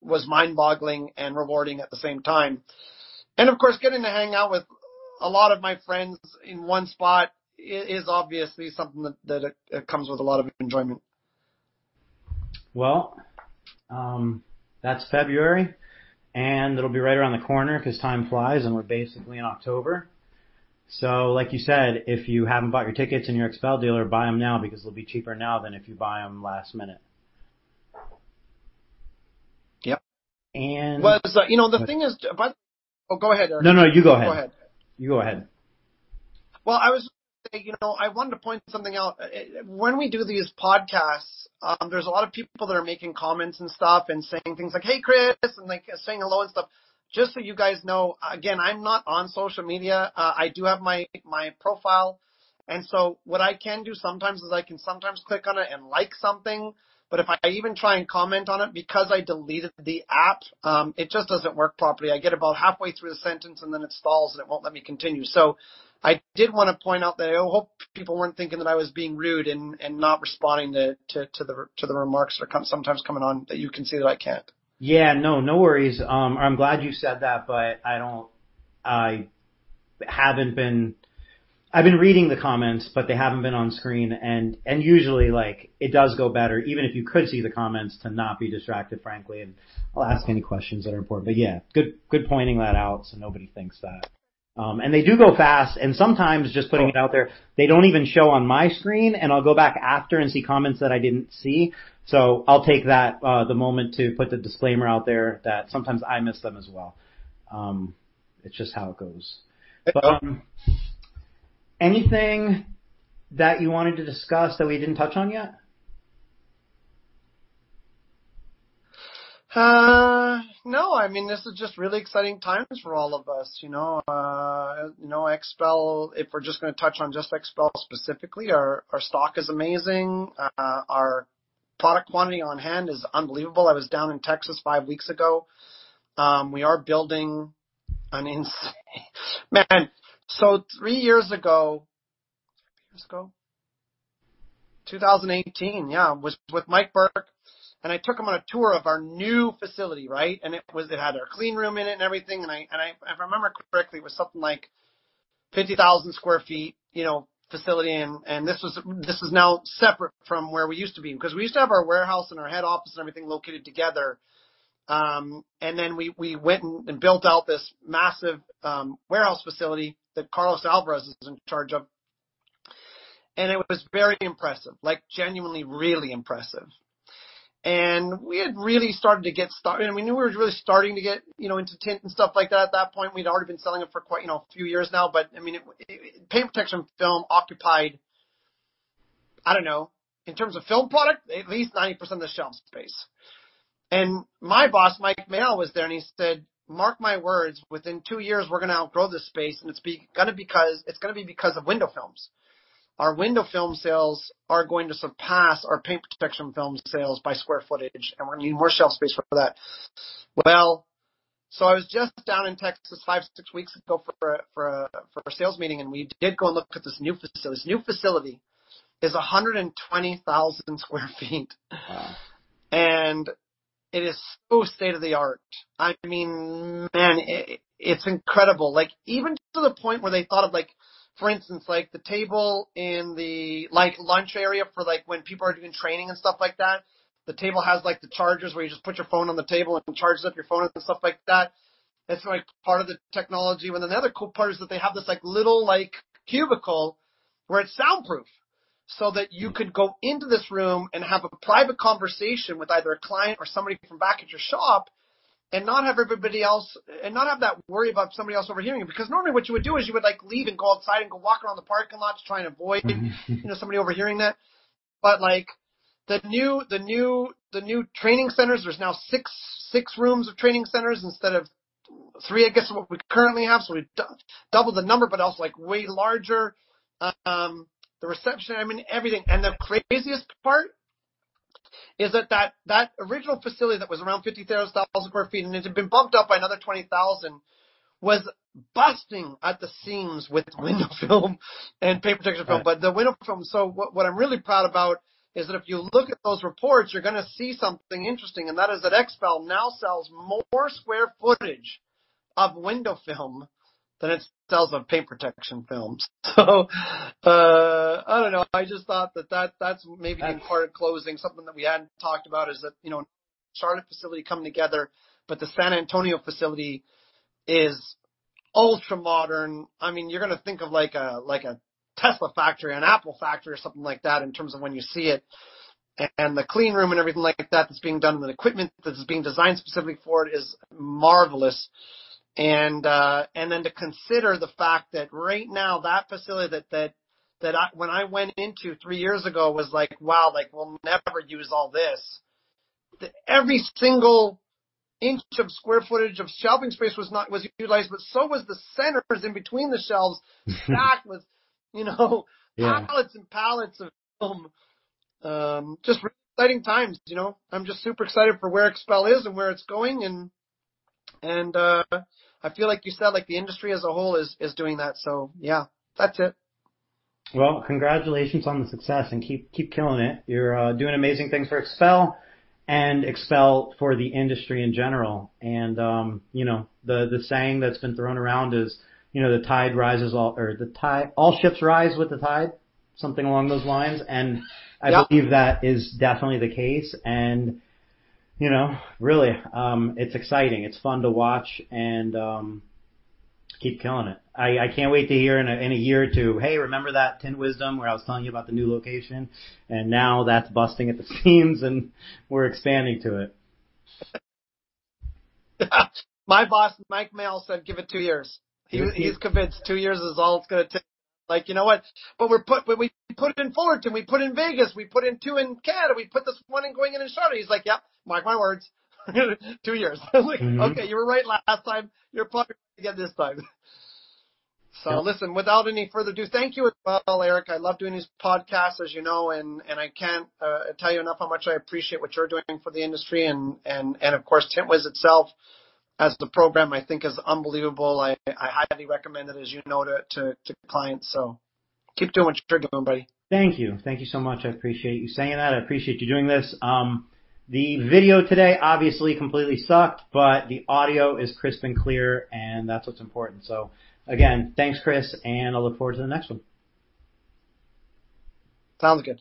was mind-boggling and rewarding at the same time. Of course, getting to hang out with a lot of my friends in one spot is obviously something that comes with a lot of enjoyment. Well, that's February, and it'll be right around the corner 'cause time flies, and we're basically in October. Like you said, if you haven't bought your tickets and you're an XPEL dealer, buy them now because it'll be cheaper now than if you buy them last minute. Yep. And- Oh, go ahead, Erik. No, no, you go ahead. Go ahead. You go ahead. Well, you know, I wanted to point something out. When we do these podcasts, there's a lot of people that are making comments and stuff and saying things like, "Hey, Chris," and like saying hello and stuff. Just so you guys know, again, I'm not on social media. I do have my profile. What I can do sometimes is I can sometimes click on it and like something. But if I even try and comment on it, because I deleted the app, it just doesn't work properly. I get about halfway through the sentence and then it stalls, and it won't let me continue. I did wanna point out that I hope people weren't thinking that I was being rude and not responding to the remarks that sometimes coming on that you can see that I can't. No worries. I'm glad you said that, but I've been reading the comments, but they haven't been on screen and usually, like, it does go better, even if you could see the comments to not be distracted, frankly. I'll ask any questions that are important. Yeah, good pointing that out so nobody thinks that. They do go fast. Sometimes just putting it out there, they don't even show on my screen, and I'll go back after and see comments that I didn't see. I'll take that moment to put the disclaimer out there that sometimes I miss them as well. It's just how it goes. Anything that you wanted to discuss that we didn't touch on yet? No. I mean, this is just really exciting times for all of us, you know. You know, XPEL, if we're just gonna touch on just XPEL specifically, our stock is amazing. Our product quantity on hand is unbelievable. I was down in Texas five weeks ago. three years ago, 2018, yeah, I was with Mike Burke, and I took him on a tour of our new facility, right? It had our clean room in it and everything. If I remember correctly, it was something like 50,000 sq ft, you know, facility, and this is now separate from where we used to be because we used to have our warehouse and our head office and everything located together. Then we went and built out this massive warehouse facility that Carlos Alvarenga is in charge of. It was very impressive, like genuinely really impressive. We knew we were really starting to get, you know, into tint and stuff like that. At that point, we'd already been selling it for quite, you know, a few years now, but I mean, it. Paint protection film occupied, I don't know, in terms of film product, at least 90% of the shelf space. My boss, Mike Merrill, was there, and he said, "Mark my words, within two years, we're gonna outgrow this space, and it's gonna be because of window films. Our window film sales are going to surpass our paint protection film sales by square footage, and we're gonna need more shelf space for that. Well, I was just down in Texas five, six weeks ago for a sales meeting, and we did go look at this new facility. This new facility is 120,000 sq ft. Wow! It is so state-of-the-art. I mean, man, it's incredible. Like, even to the point where they thought of like, for instance, like the table in the like lunch area for like when people are doing training and stuff like that, the table has like the chargers where you just put your phone on the table, and it charges up your phone and stuff like that. That's like part of the technology. The other cool part is that they have this like little like cubicle where it's soundproof, so that you could go into this room and have a private conversation with either a client or somebody from back at your shop and not have that worry about everybody else overhearing you. Because normally what you would do is you would like leave and go outside and go walk around the parking lot to try and avoid, you know, somebody overhearing that. Like the new training centers, there are now six rooms of training centers instead of three, I guess what we currently have. We doubled the number, but also like way larger. The reception, I mean everything. The craziest part is that original facility that was around 50,000 sq ft, and it had been bumped up by another 20,000, was busting at the seams with window film and paint protection film. Right. The window film. What I'm really proud about is that if you look at those reports, you're gonna see something interesting, and that is that XPEL now sells more square footage of window film than it sells of paint protection films. I don't know. I just thought that that's maybe even part of closing, something that we hadn't talked about is that, you know, the Charlotte facility coming together, but the San Antonio facility is ultra-modern. I mean, you're gonna think of like a Tesla factory or an Apple factory or something like that in terms of when you see it. The clean room and everything like that that's being done, and the equipment that's being designed specifically for it is marvelous. To consider the fact that right now, that facility that I went into three years ago was like, "Wow, like, we'll never use all this." That every single inch of square footage of shelving space was utilized, but so was the centers in between the shelves stacked with, you know- Yeah. Pallets of film. Just exciting times, you know. I'm just super excited for where XPEL is and where it's going and I feel like you said, like the industry as a whole is doing that. Yeah, that's it. Well, congratulations on the success and keep killing it. You're doing amazing things for XPEL and XPEL for the industry in general. You know, the saying that's been thrown around is, you know, all ships rise with the tide, something along those lines. Yep. I believe that is definitely the case. Really, it's exciting. It's fun to watch and keep killing it. I can't wait to hear in a year or two, "Hey, remember that Tint Wiz where I was telling you about the new location, and now that's busting at the seams, and we're expanding to it. My boss, Mike Merrill, said, "Give it two years." He's convinced two years is all it's gonna take. Like, you know what? When we put it in Fullerton, we put it in Vegas, we put in two in Canada, we put this one in Charlotte. He's like, "Yep, mark my words, two years." I'm like, "Okay, you were right last time. You're probably right again this time." Listen, without any further ado, thank you as well, Erik. I love doing these podcasts, as you know, and I can't tell you enough how much I appreciate what you're doing for the industry and of course, Tint Wiz itself as the program I think is unbelievable. I highly recommend it, as you know, to clients. Keep doing what you're doing, buddy. Thank you. Thank you so much. I appreciate you saying that. I appreciate you doing this. The video today obviously completely sucked, but the audio is crisp and clear, and that's what's important. Again, thanks, Chris, and I look forward to the next one. Sounds good.